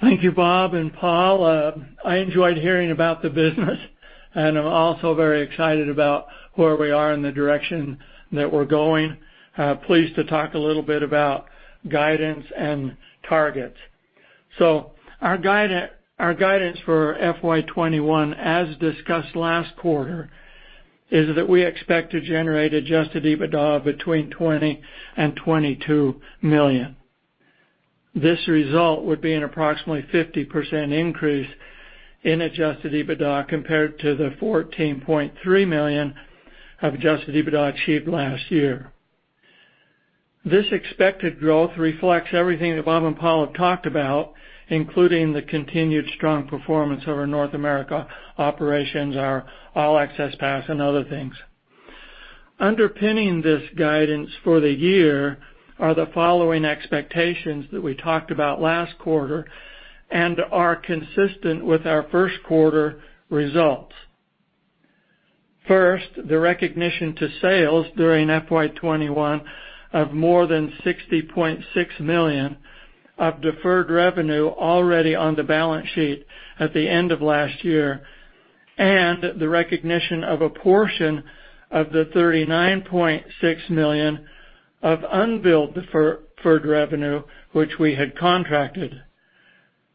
[SPEAKER 5] Thank you, Bob and Paul. I enjoyed hearing about the business and I'm also very excited about where we are and the direction that we're going. Pleased to talk a little bit about guidance and targets. Our guidance for FY 2021, as discussed last quarter, is that we expect to generate Adjusted EBITDA of between $20 million and $22 million. This result would be an approximately 50% increase in Adjusted EBITDA compared to the $14.3 million of Adjusted EBITDA achieved last year. This expected growth reflects everything that Bob and Paul have talked about, including the continued strong performance of our North America operations, our All Access Pass, and other things. Underpinning this guidance for the year are the following expectations that we talked about last quarter and are consistent with our first quarter results. First, the recognition to sales during FY 2021 of more than $60.6 million of deferred revenue already on the balance sheet at the end of last year, and the recognition of a portion of the $39.6 million of unbilled deferred revenue, which we had contracted.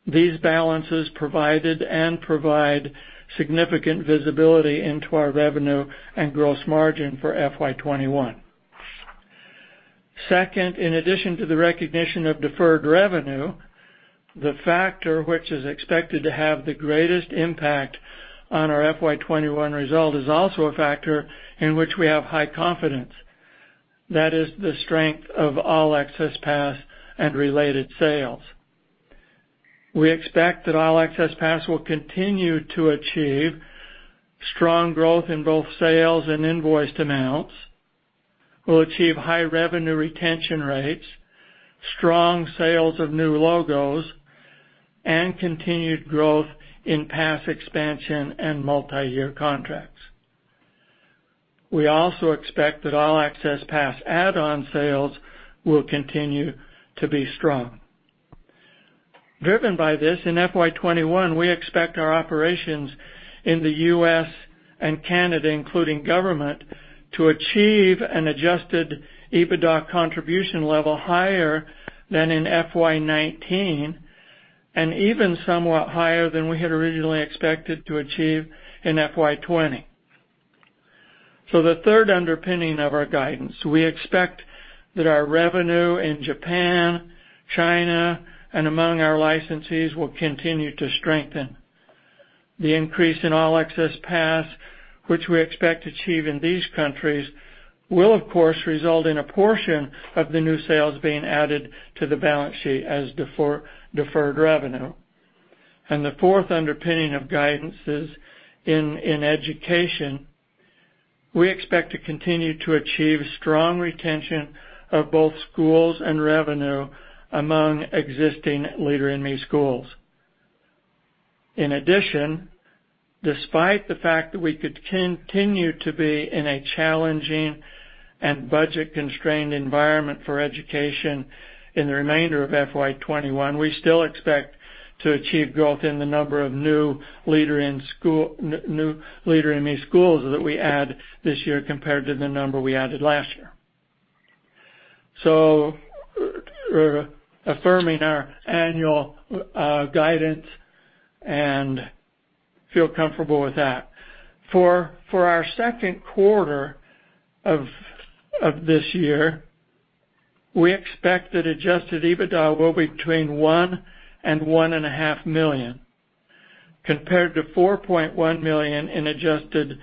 [SPEAKER 5] These balances provided and provide significant visibility into our revenue and gross margin for FY 2021. Second, in addition to the recognition of deferred revenue, the factor which is expected to have the greatest impact on our FY 2021 result is also a factor in which we have high confidence. That is the strength of All Access Pass and related sales. We expect that All Access Pass will continue to achieve strong growth in both sales and invoiced amounts, will achieve high revenue retention rates, strong sales of new logos, and continued growth in pass expansion and multiyear contracts. We also expect that All Access Pass add-on sales will continue to be strong. Driven by this, in FY 2021, we expect our operations in the U.S. and Canada, including government, to achieve an Adjusted EBITDA contribution level higher than in FY 2019, and even somewhat higher than we had originally expected to achieve in FY 2020. The third underpinning of our guidance, we expect that our revenue in Japan, China, and among our licensees will continue to strengthen. The increase in All Access Pass, which we expect to achieve in these countries, will of course, result in a portion of the new sales being added to the balance sheet as deferred revenue. The fourth underpinning of guidance is in Education. We expect to continue to achieve strong retention of both schools and revenue among existing Leader in Me schools. In addition, despite the fact that we could continue to be in a challenging and budget-constrained environment for Education in the remainder of FY 2021, we still expect to achieve growth in the number of new Leader in Me schools that we add this year compared to the number we added last year. Affirming our annual guidance and feel comfortable with that. For our second quarter of this year, we expect that Adjusted EBITDA will be between $1 million and $1.5 million, compared to $4.1 million in Adjusted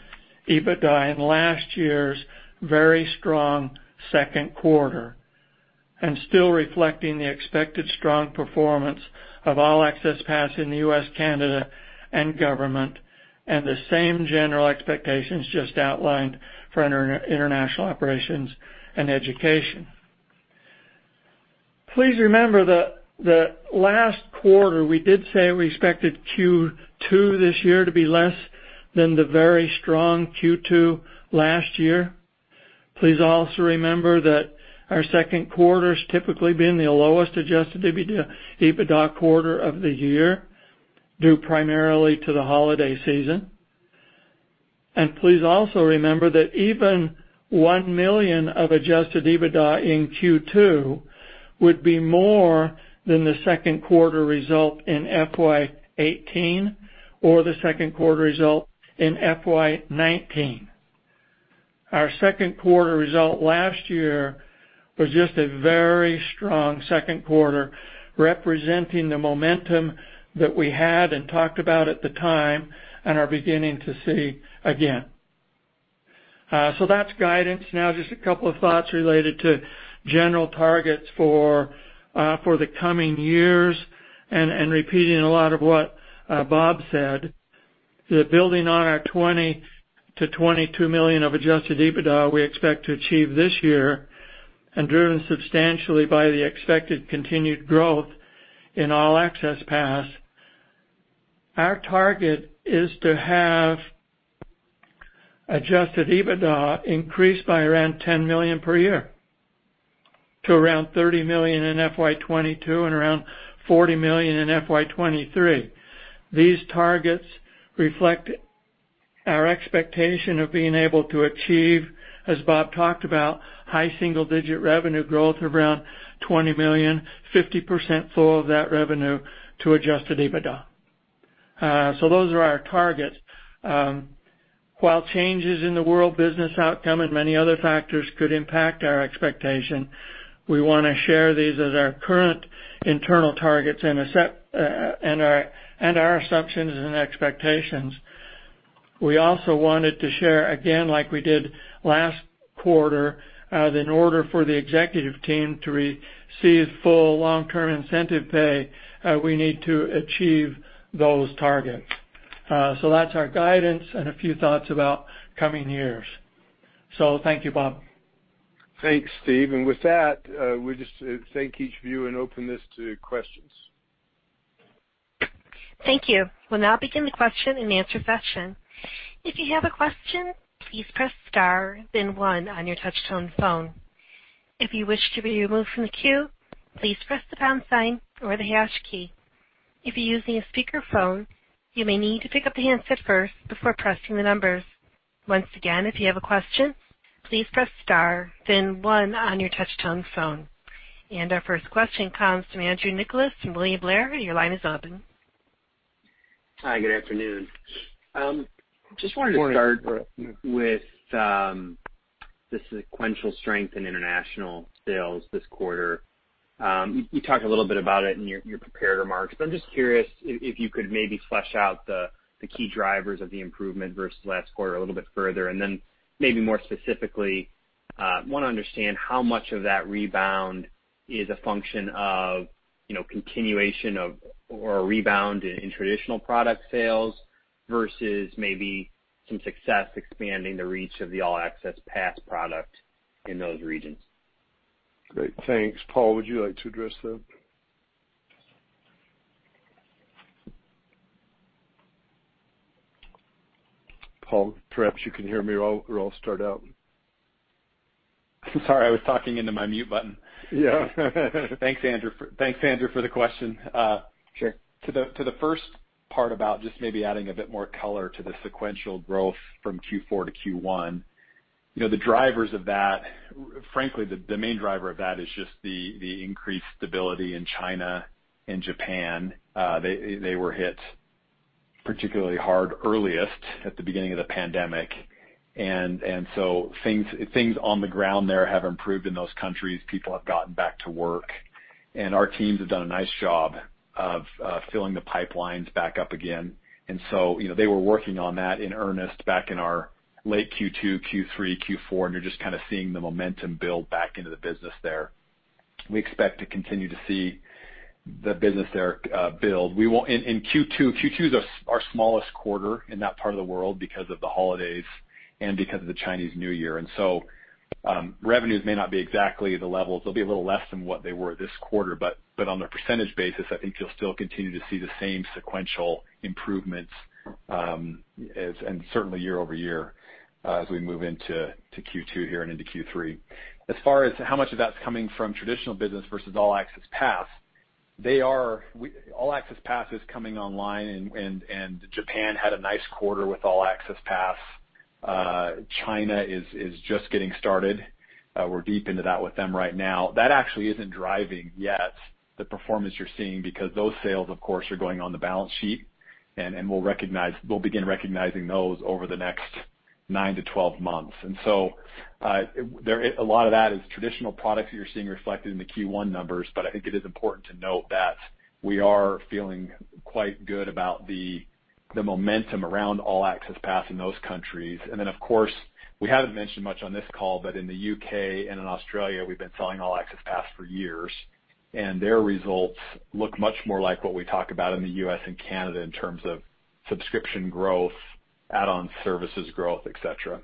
[SPEAKER 5] EBITDA in last year's very strong second quarter, and still reflecting the expected strong performance of All Access Pass in the U.S., Canada, and government, and the same general expectations just outlined for international operations and Education. Please remember that last quarter we did say we expected Q2 this year to be less than the very strong Q2 last year. Please also remember that our second quarter's typically been the lowest Adjusted EBITDA quarter of the year, due primarily to the holiday season. Please also remember that even $1 million of Adjusted EBITDA in Q2 would be more than the second quarter result in FY 2018 or the second quarter result in FY 2019. Our second quarter result last year was just a very strong second quarter, representing the momentum that we had and talked about at the time, and are beginning to see again. That's guidance. Now, just a couple of thoughts related to general targets for the coming years and repeating a lot of what Bob said. The building on our $20 million-$22 million of Adjusted EBITDA we expect to achieve this year and driven substantially by the expected continued growth in All Access Pass. Our target is to have Adjusted EBITDA increase by around $10 million per year to around $30 million in FY 2022 and around $40 million in FY 2023. These targets reflect our expectation of being able to achieve, as Bob talked about, high single-digit revenue growth of around $20 million, 50% flow of that revenue to Adjusted EBITDA. Those are our targets. While changes in the world business outcome and many other factors could impact our expectation, we want to share these as our current internal targets and our assumptions and expectations. We also wanted to share, again, like we did last quarter, that in order for the executive team to receive full long-term incentive pay, we need to achieve those targets. That's our guidance and a few thoughts about coming years. Thank you, Bob.
[SPEAKER 3] Thanks, Steve. With that, we just thank each of you and open this to questions.
[SPEAKER 1] Thank you. We'll now begin the question and answer session. If you have a question, please press star then one on your touch-tone phone. If you wish to be removed from the queue, please press the pound sign or the hash key. If you're using a speakerphone, you may need to pick up the handset first before pressing the numbers. Once again, if you have a question, please press star then one on your touch-tone phone. Our first question comes from Andrew Nicholas from William Blair. Your line is open.
[SPEAKER 6] Hi, good afternoon. Just wanted to start with the sequential strength in international sales this quarter. You talked a little bit about it in your prepared remarks, but I'm just curious if you could maybe flesh out the key drivers of the improvement versus last quarter a little bit further. Then maybe more specifically, want to understand how much of that rebound is a function of continuation of or a rebound in traditional product sales versus maybe some success expanding the reach of the All Access Pass product in those regions.
[SPEAKER 3] Great. Thanks. Paul, would you like to address that? Paul, perhaps you can hear me or I'll start out.
[SPEAKER 4] Sorry, I was talking into my mute button.
[SPEAKER 3] Yeah.
[SPEAKER 4] Thanks, Andrew, for the question.
[SPEAKER 6] Sure.
[SPEAKER 4] To the first part about just maybe adding a bit more color to the sequential growth from Q4 to Q1. The drivers of that, frankly, the main driver of that is just the increased stability in China and Japan. They were hit particularly hard earliest at the beginning of the pandemic. Things on the ground there have improved in those countries. People have gotten back to work, and our teams have done a nice job of filling the pipelines back up again. They were working on that in earnest back in our late Q2, Q3, Q4, and you're just kind of seeing the momentum build back into the business there. We expect to continue to see the business there build. In Q2 is our smallest quarter in that part of the world because of the holidays and because of the Chinese New Year. Revenues may not be exactly the levels. They'll be a little less than what they were this quarter, but on a percentage basis, I think you'll still continue to see the same sequential improvements, and certainly year-over-year as we move into Q2 here and into Q3. As far as how much of that's coming from traditional business versus All Access Pass. All Access Pass is coming online and Japan had a nice quarter with All Access Pass. China is just getting started. We're deep into that with them right now. That actually isn't driving yet the performance you're seeing because those sales, of course, are going on the balance sheet, and we'll begin recognizing those over the next nine to 12 months. A lot of that is traditional products that you're seeing reflected in the Q1 numbers. I think it is important to note that we are feeling quite good about the momentum around All Access Pass in those countries. Of course, we haven't mentioned much on this call, but in the U.K. and in Australia, we've been selling All Access Pass for years, and their results look much more like what we talk about in the U.S. and Canada in terms of subscription growth, add-on services growth, et cetera.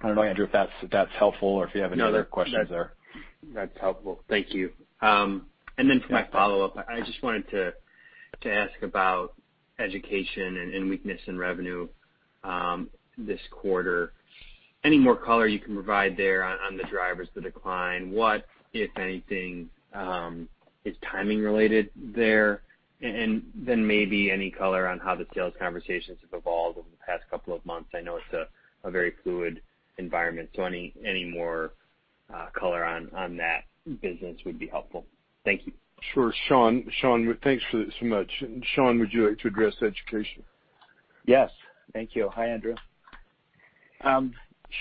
[SPEAKER 4] I don't know, Andrew, if that's helpful or if you have any other questions there.
[SPEAKER 6] No, that's helpful. Thank you. For my follow-up, I just wanted to ask about education and weakness in revenue this quarter. Any more color you can provide there on the drivers of the decline? What, if anything, is timing related there? Maybe any color on how the sales conversations have evolved over the past couple of months. I know it's a very fluid environment, so any more color on that business would be helpful. Thank you.
[SPEAKER 3] Sure. Sean, thanks for this so much. Sean, would you like to address education?
[SPEAKER 7] Yes. Thank you. Hi, Andrew.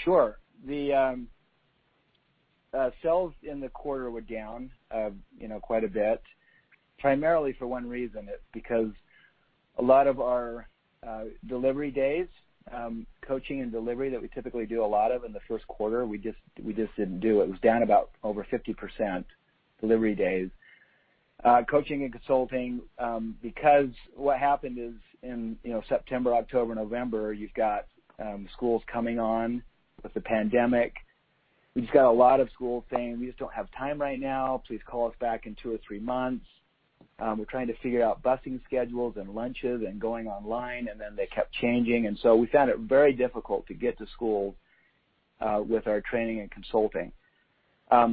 [SPEAKER 7] Sure. The sales in the quarter were down quite a bit, primarily for one reason. It's because a lot of our delivery days, coaching and delivery that we typically do a lot of in the first quarter, we just didn't do. It was down about over 50% delivery days. Coaching and consulting, because what happened is in September, October, November, you've got schools coming on with the pandemic. We just got a lot of schools saying, "We just don't have time right now. Please call us back in two or three months. We're trying to figure out busing schedules and lunches and going online," and then they kept changing. We found it very difficult to get to schools with our training and consulting. That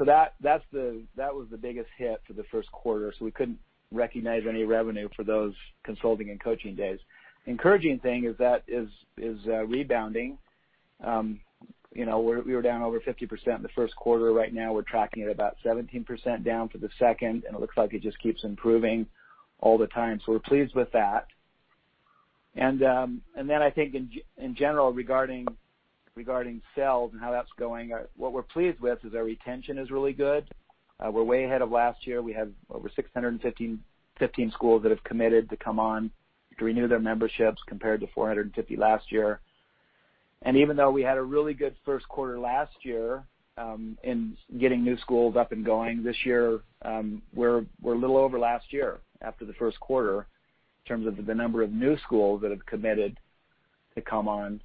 [SPEAKER 7] was the biggest hit for the first quarter, so we couldn't recognize any revenue for those consulting and coaching days. Encouraging thing is that is rebounding. We were down over 50% in the first quarter. Right now we're tracking at about 17% down for the second, and it looks like it just keeps improving all the time. We're pleased with that. I think in general, regarding sales and how that's going, what we're pleased with is our retention is really good. We're way ahead of last year. We have over 615 schools that have committed to come on to renew their memberships compared to 450 last year. Even though we had a really good first quarter last year, in getting new schools up and going, this year, we're a little over last year after the first quarter in terms of the number of new schools that have committed to come on.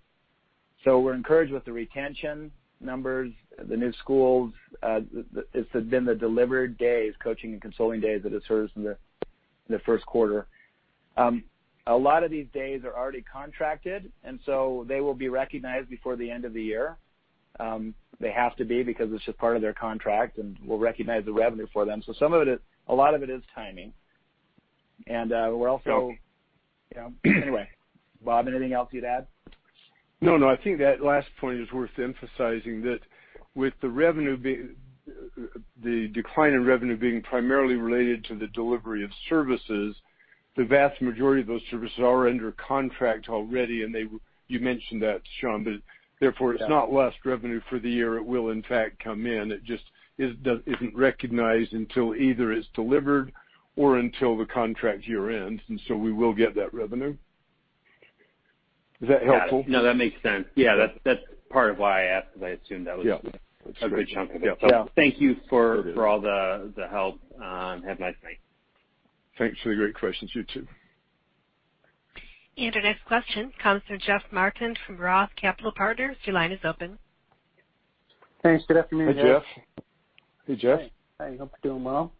[SPEAKER 7] We're encouraged with the retention numbers, the new schools. It's been the delivered days, coaching, and consulting days that have served us in the first quarter. A lot of these days are already contracted, and they will be recognized before the end of the year. They have to be, because it's just part of their contract, and we'll recognize the revenue for them. So a lot of it is timing.
[SPEAKER 3] So-
[SPEAKER 7] Yeah. Anyway. Bob, anything else you'd add?
[SPEAKER 3] No, I think that last point is worth emphasizing, that with the decline in revenue being primarily related to the delivery of services, the vast majority of those services are under contract already, and you mentioned that, Sean.
[SPEAKER 7] Yeah
[SPEAKER 3] It's not lost revenue for the year. It will, in fact, come in. It just isn't recognized until either it's delivered or until the contract year ends. We will get that revenue. Is that helpful?
[SPEAKER 6] Yeah. No, that makes sense. Yeah. That's part of why I asked.
[SPEAKER 3] Yeah
[SPEAKER 6] That was a good chunk of it.
[SPEAKER 7] Yeah
[SPEAKER 6] Thank you.
[SPEAKER 3] It is
[SPEAKER 6] Have a nice night.
[SPEAKER 3] Thanks for the great questions. You too.
[SPEAKER 1] Our next question comes from Jeff Martin from ROTH Capital Partners. Your line is open.
[SPEAKER 8] Thanks. Good afternoon.
[SPEAKER 3] Hey, Jeff.
[SPEAKER 7] Hey.
[SPEAKER 3] Hey, Jeff.
[SPEAKER 8] Hi, hope you're doing well.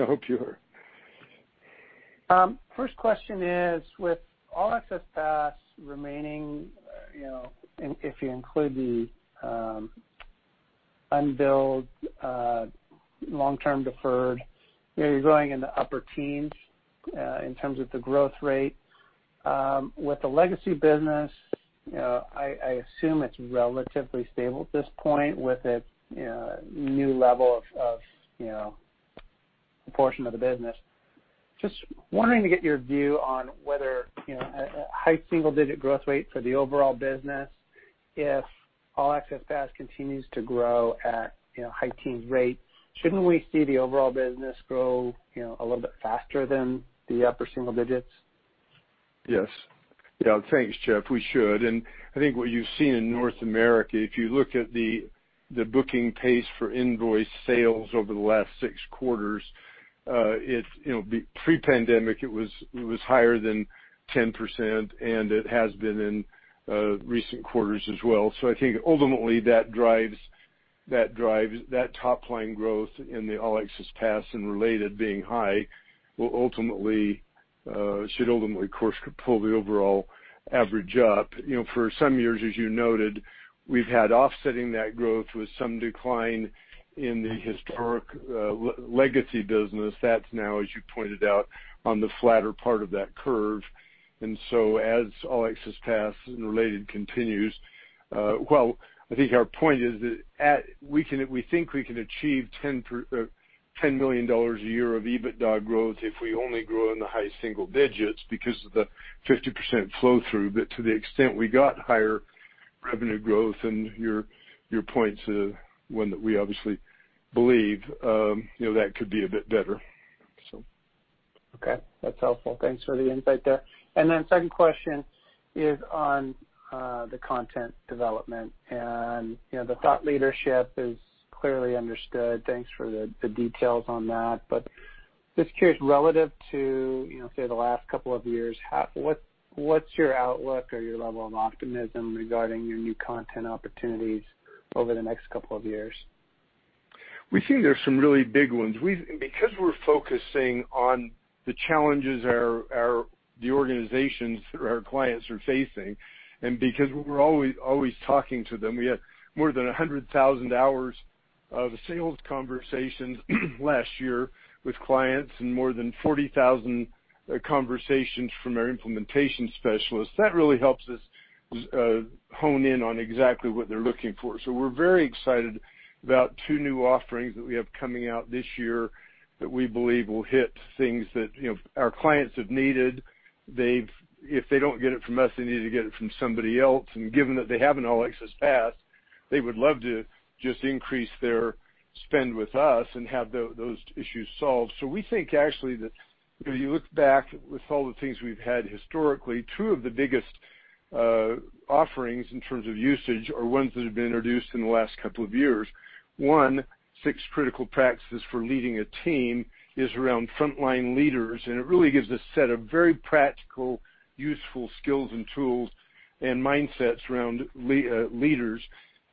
[SPEAKER 3] I hope you are.
[SPEAKER 8] First question is, with All Access Pass remaining, and if you include the unbilled, long-term deferred, you're growing in the upper teens, in terms of the growth rate. With the legacy business, I assume it's relatively stable at this point with its new level of proportion of the business. Just wondering to get your view on whether high single-digit growth rate for the overall business, if All Access Pass continues to grow at high teen rates, shouldn't we see the overall business grow a little bit faster than the upper single digits?
[SPEAKER 3] Yes. Yeah. Thanks, Jeff. We should. I think what you've seen in North America, if you look at the booking pace for invoice sales over the last 6 quarters, pre-pandemic, it was higher than 10%, and it has been in recent quarters as well. I think ultimately, that top-line growth in the All Access Pass and related being high should ultimately, of course, pull the overall average up. For some years, as you noted, we've had offsetting that growth with some decline in the historic legacy business. That's now, as you pointed out, on the flatter part of that curve. As All Access Pass and related continues. Well, I think our point is that we think we can achieve $10 million a year of EBITDA growth if we only grow in the high single digits because of the 50% flow-through. To the extent we got higher revenue growth and your point is one that we obviously believe, that could be a bit better.
[SPEAKER 8] Okay. That's helpful. Thanks for the insight there. The second question is on the content development. The thought leadership is clearly understood. Thanks for the details on that. Just curious, relative to, say, the last couple of years, what's your outlook or your level of optimism regarding your new content opportunities over the next couple of years?
[SPEAKER 3] We think there are some really big ones. Because we're focusing on the challenges the organizations or our clients are facing, and because we're always talking to them, we have more than 100,000 hours of sales conversations last year with clients and more than 40,000 conversations from our implementation specialists. That really helps us hone in on exactly what they're looking for. We're very excited about two new offerings that we have coming out this year that we believe will hit things that our clients have needed. If they don't get it from us, they need to get it from somebody else. Given that they have an All Access Pass, they would love to just increase their spend with us and have those issues solved. We think actually that if you look back with all the things we've had historically, two of the biggest offerings in terms of usage are ones that have been introduced in the last couple of years. One, The Six Critical Practices for Leading a Team is around frontline leaders, and it really gives a set of very practical, useful skills and tools and mindsets around leaders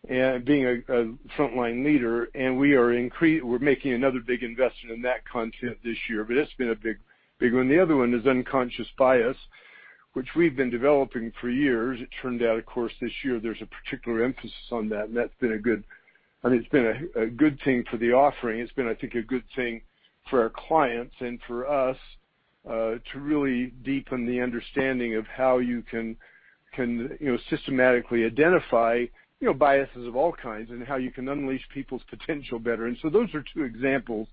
[SPEAKER 3] and being a frontline leader. We're making another big investment in that content this year, but it's been a big one. The other one is Unconscious Bias, which we've been developing for years. It turned out, of course, this year, there's a particular emphasis on that, and it's been a good thing for the offering. It's been, I think, a good thing for our clients and for us, to really deepen the understanding of how you can systematically identify biases of all kinds and how you can unleash people's potential better. Those are two examples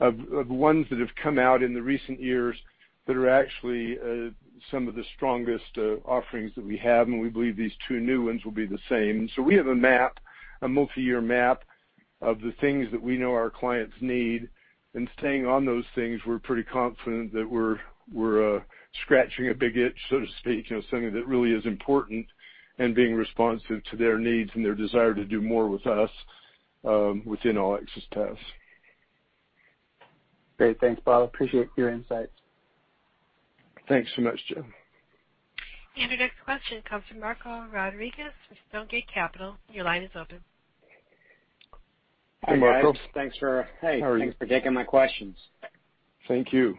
[SPEAKER 3] of ones that have come out in the recent years that are actually some of the strongest offerings that we have, and we believe these two new ones will be the same. We have a multi-year map of the things that we know our clients need, and staying on those things, we're pretty confident that we're scratching a big itch, so to speak, something that really is important and being responsive to their needs and their desire to do more with us within All Access Pass.
[SPEAKER 8] Great. Thanks, Bob. Appreciate your insights.
[SPEAKER 3] Thanks so much, Jeff.
[SPEAKER 1] Your next question comes from Marco Rodriguez with Stonegate Capital. Your line is open.
[SPEAKER 3] Hi, Marco. How are you?
[SPEAKER 9] Thanks for taking my questions.
[SPEAKER 3] Thank you.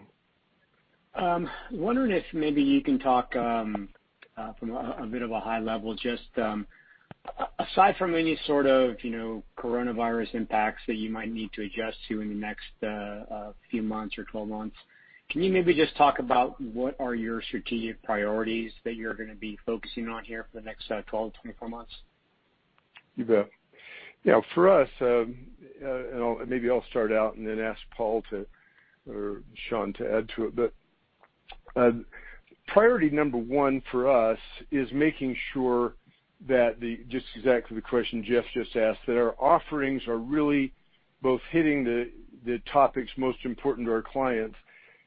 [SPEAKER 9] Wondering if maybe you can talk from a bit of a high level, just aside from any sort of coronavirus impacts that you might need to adjust to in the next few months or 12 months, can you maybe just talk about what are your strategic priorities that you're going to be focusing on here for the next 12 months-24 months?
[SPEAKER 3] You bet. For us, maybe I'll start out and then ask Paul or Sean to add to it, priority number one for us is making sure that, just exactly the question Jeff just asked, that our offerings are really both hitting the topics most important to our clients,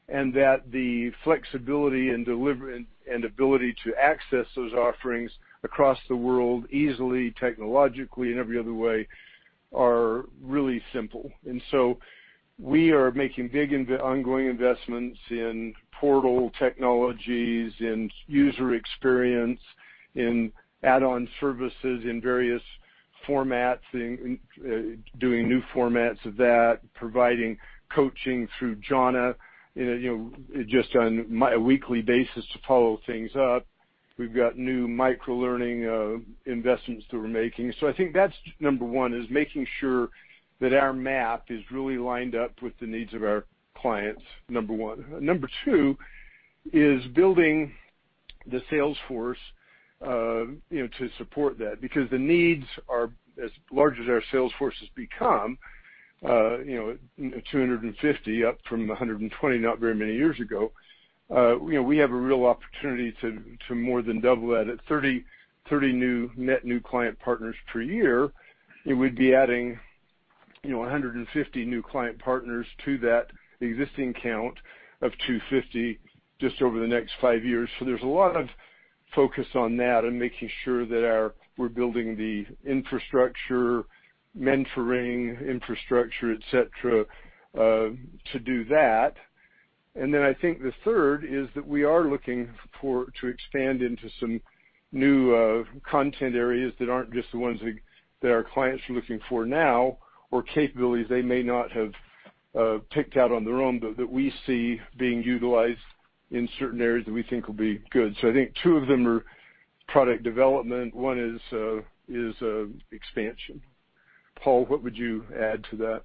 [SPEAKER 3] and that the flexibility and delivery and ability to access those offerings across the world easily, technologically, and every other way are really simple. We are making big ongoing investments in portal technologies, in user experience, in add-on services, in various formats, doing new formats of that, providing coaching through Janna, just on a weekly basis to follow things up. We've got new micro-learning investments that we're making. I think that's number one, is making sure that our map is really lined up with the needs of our clients, number one. Number two is building the sales force to support that. As large as our sales force has become, 250 up from 120 not very many years ago, we have a real opportunity to more than double that at 30 net new client partners per year. We'd be adding 150 new client partners to that existing count of 250 just over the next five years. There's a lot of focus on that and making sure that we're building the infrastructure, mentoring infrastructure, et cetera, to do that. I think the third is that we are looking to expand into some new content areas that aren't just the ones that our clients are looking for now or capabilities they may not have picked out on their own, but that we see being utilized in certain areas that we think will be good. I think two of them are product development. One is expansion. Paul, what would you add to that?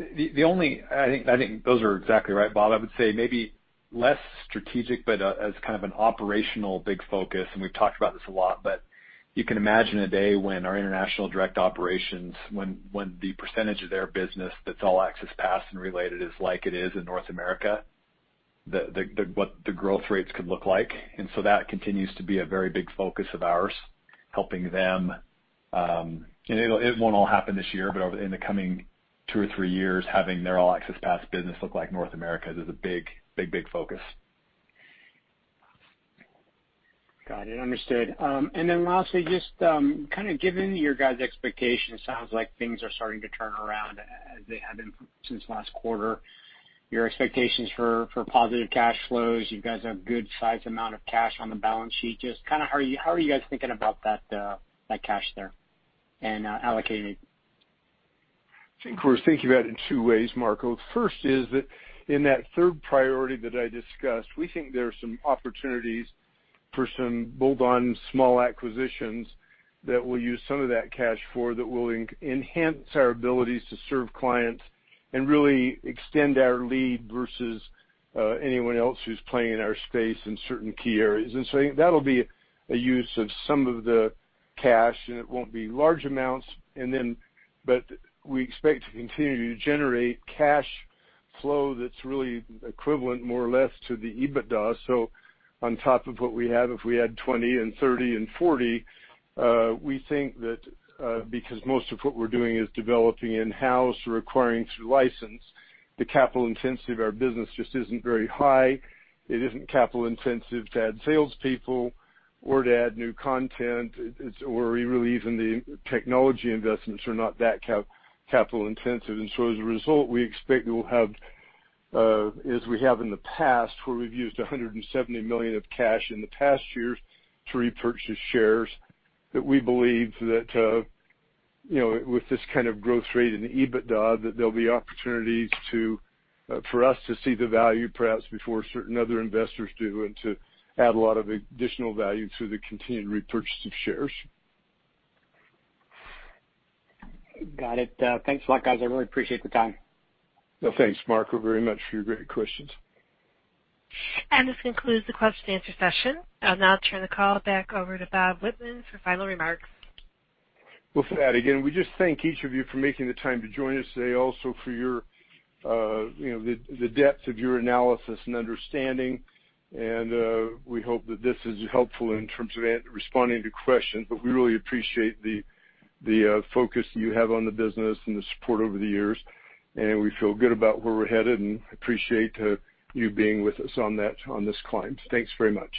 [SPEAKER 4] I think those are exactly right, Bob. I would say maybe less strategic, but as kind of an operational big focus, we've talked about this a lot, you can imagine a day when our international direct operations, when the percentage of their business that's All Access Pass and related is like it is in North America, what the growth rates could look like. That continues to be a very big focus of ours, helping them. It won't all happen this year, but in the coming two or three years, having their All Access Pass business look like North America is a big focus.
[SPEAKER 9] Got it. Understood. Lastly, just given your guys' expectations, it sounds like things are starting to turn around as they have been since last quarter. Your expectations for positive cash flows. You guys have a good-size amount of cash on the balance sheet. Just how are you guys thinking about that cash there and allocating it?
[SPEAKER 3] I think we're thinking about it in two ways, Marco. First is that in that third priority that I discussed, we think there are some opportunities for some bolt-on small acquisitions that we'll use some of that cash for, that will enhance our abilities to serve clients and really extend our lead versus anyone else who's playing in our space in certain key areas. I think that will be a use of some of the cash, and it won't be large amounts. We expect to continue to generate cash flow that's really equivalent, more or less, to the Adjusted EBITDA. On top of what we have, if we add $20 and $30 and $40, we think that because most of what we're doing is developing in-house or acquiring through license, the capital intensity of our business just isn't very high. It isn't capital-intensive to add salespeople or to add new content, or even the technology investments are not that capital-intensive. As a result, we expect we will have, as we have in the past, where we've used $170 million of cash in the past year to repurchase shares, that we believe that, with this kind of growth rate in Adjusted EBITDA, that there'll be opportunities for us to see the value perhaps before certain other investors do, and to add a lot of additional value through the continued repurchase of shares.
[SPEAKER 9] Got it. Thanks a lot, guys. I really appreciate the time.
[SPEAKER 3] Thanks, Marco, very much for your great questions.
[SPEAKER 1] This concludes the question and answer session. I'll now turn the call back over to Bob Whitman for final remarks.
[SPEAKER 3] Well, with that, again, we just thank each of you for making the time to join us today. For the depth of your analysis and understanding, and we hope that this is helpful in terms of responding to questions. We really appreciate the focus you have on the business and the support over the years, and we feel good about where we're headed, and appreciate you being with us on this climb. Thanks very much.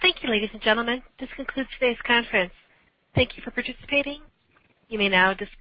[SPEAKER 1] Thank you, ladies and gentlemen. This concludes today's conference. Thank you for participating. You may now disconnect.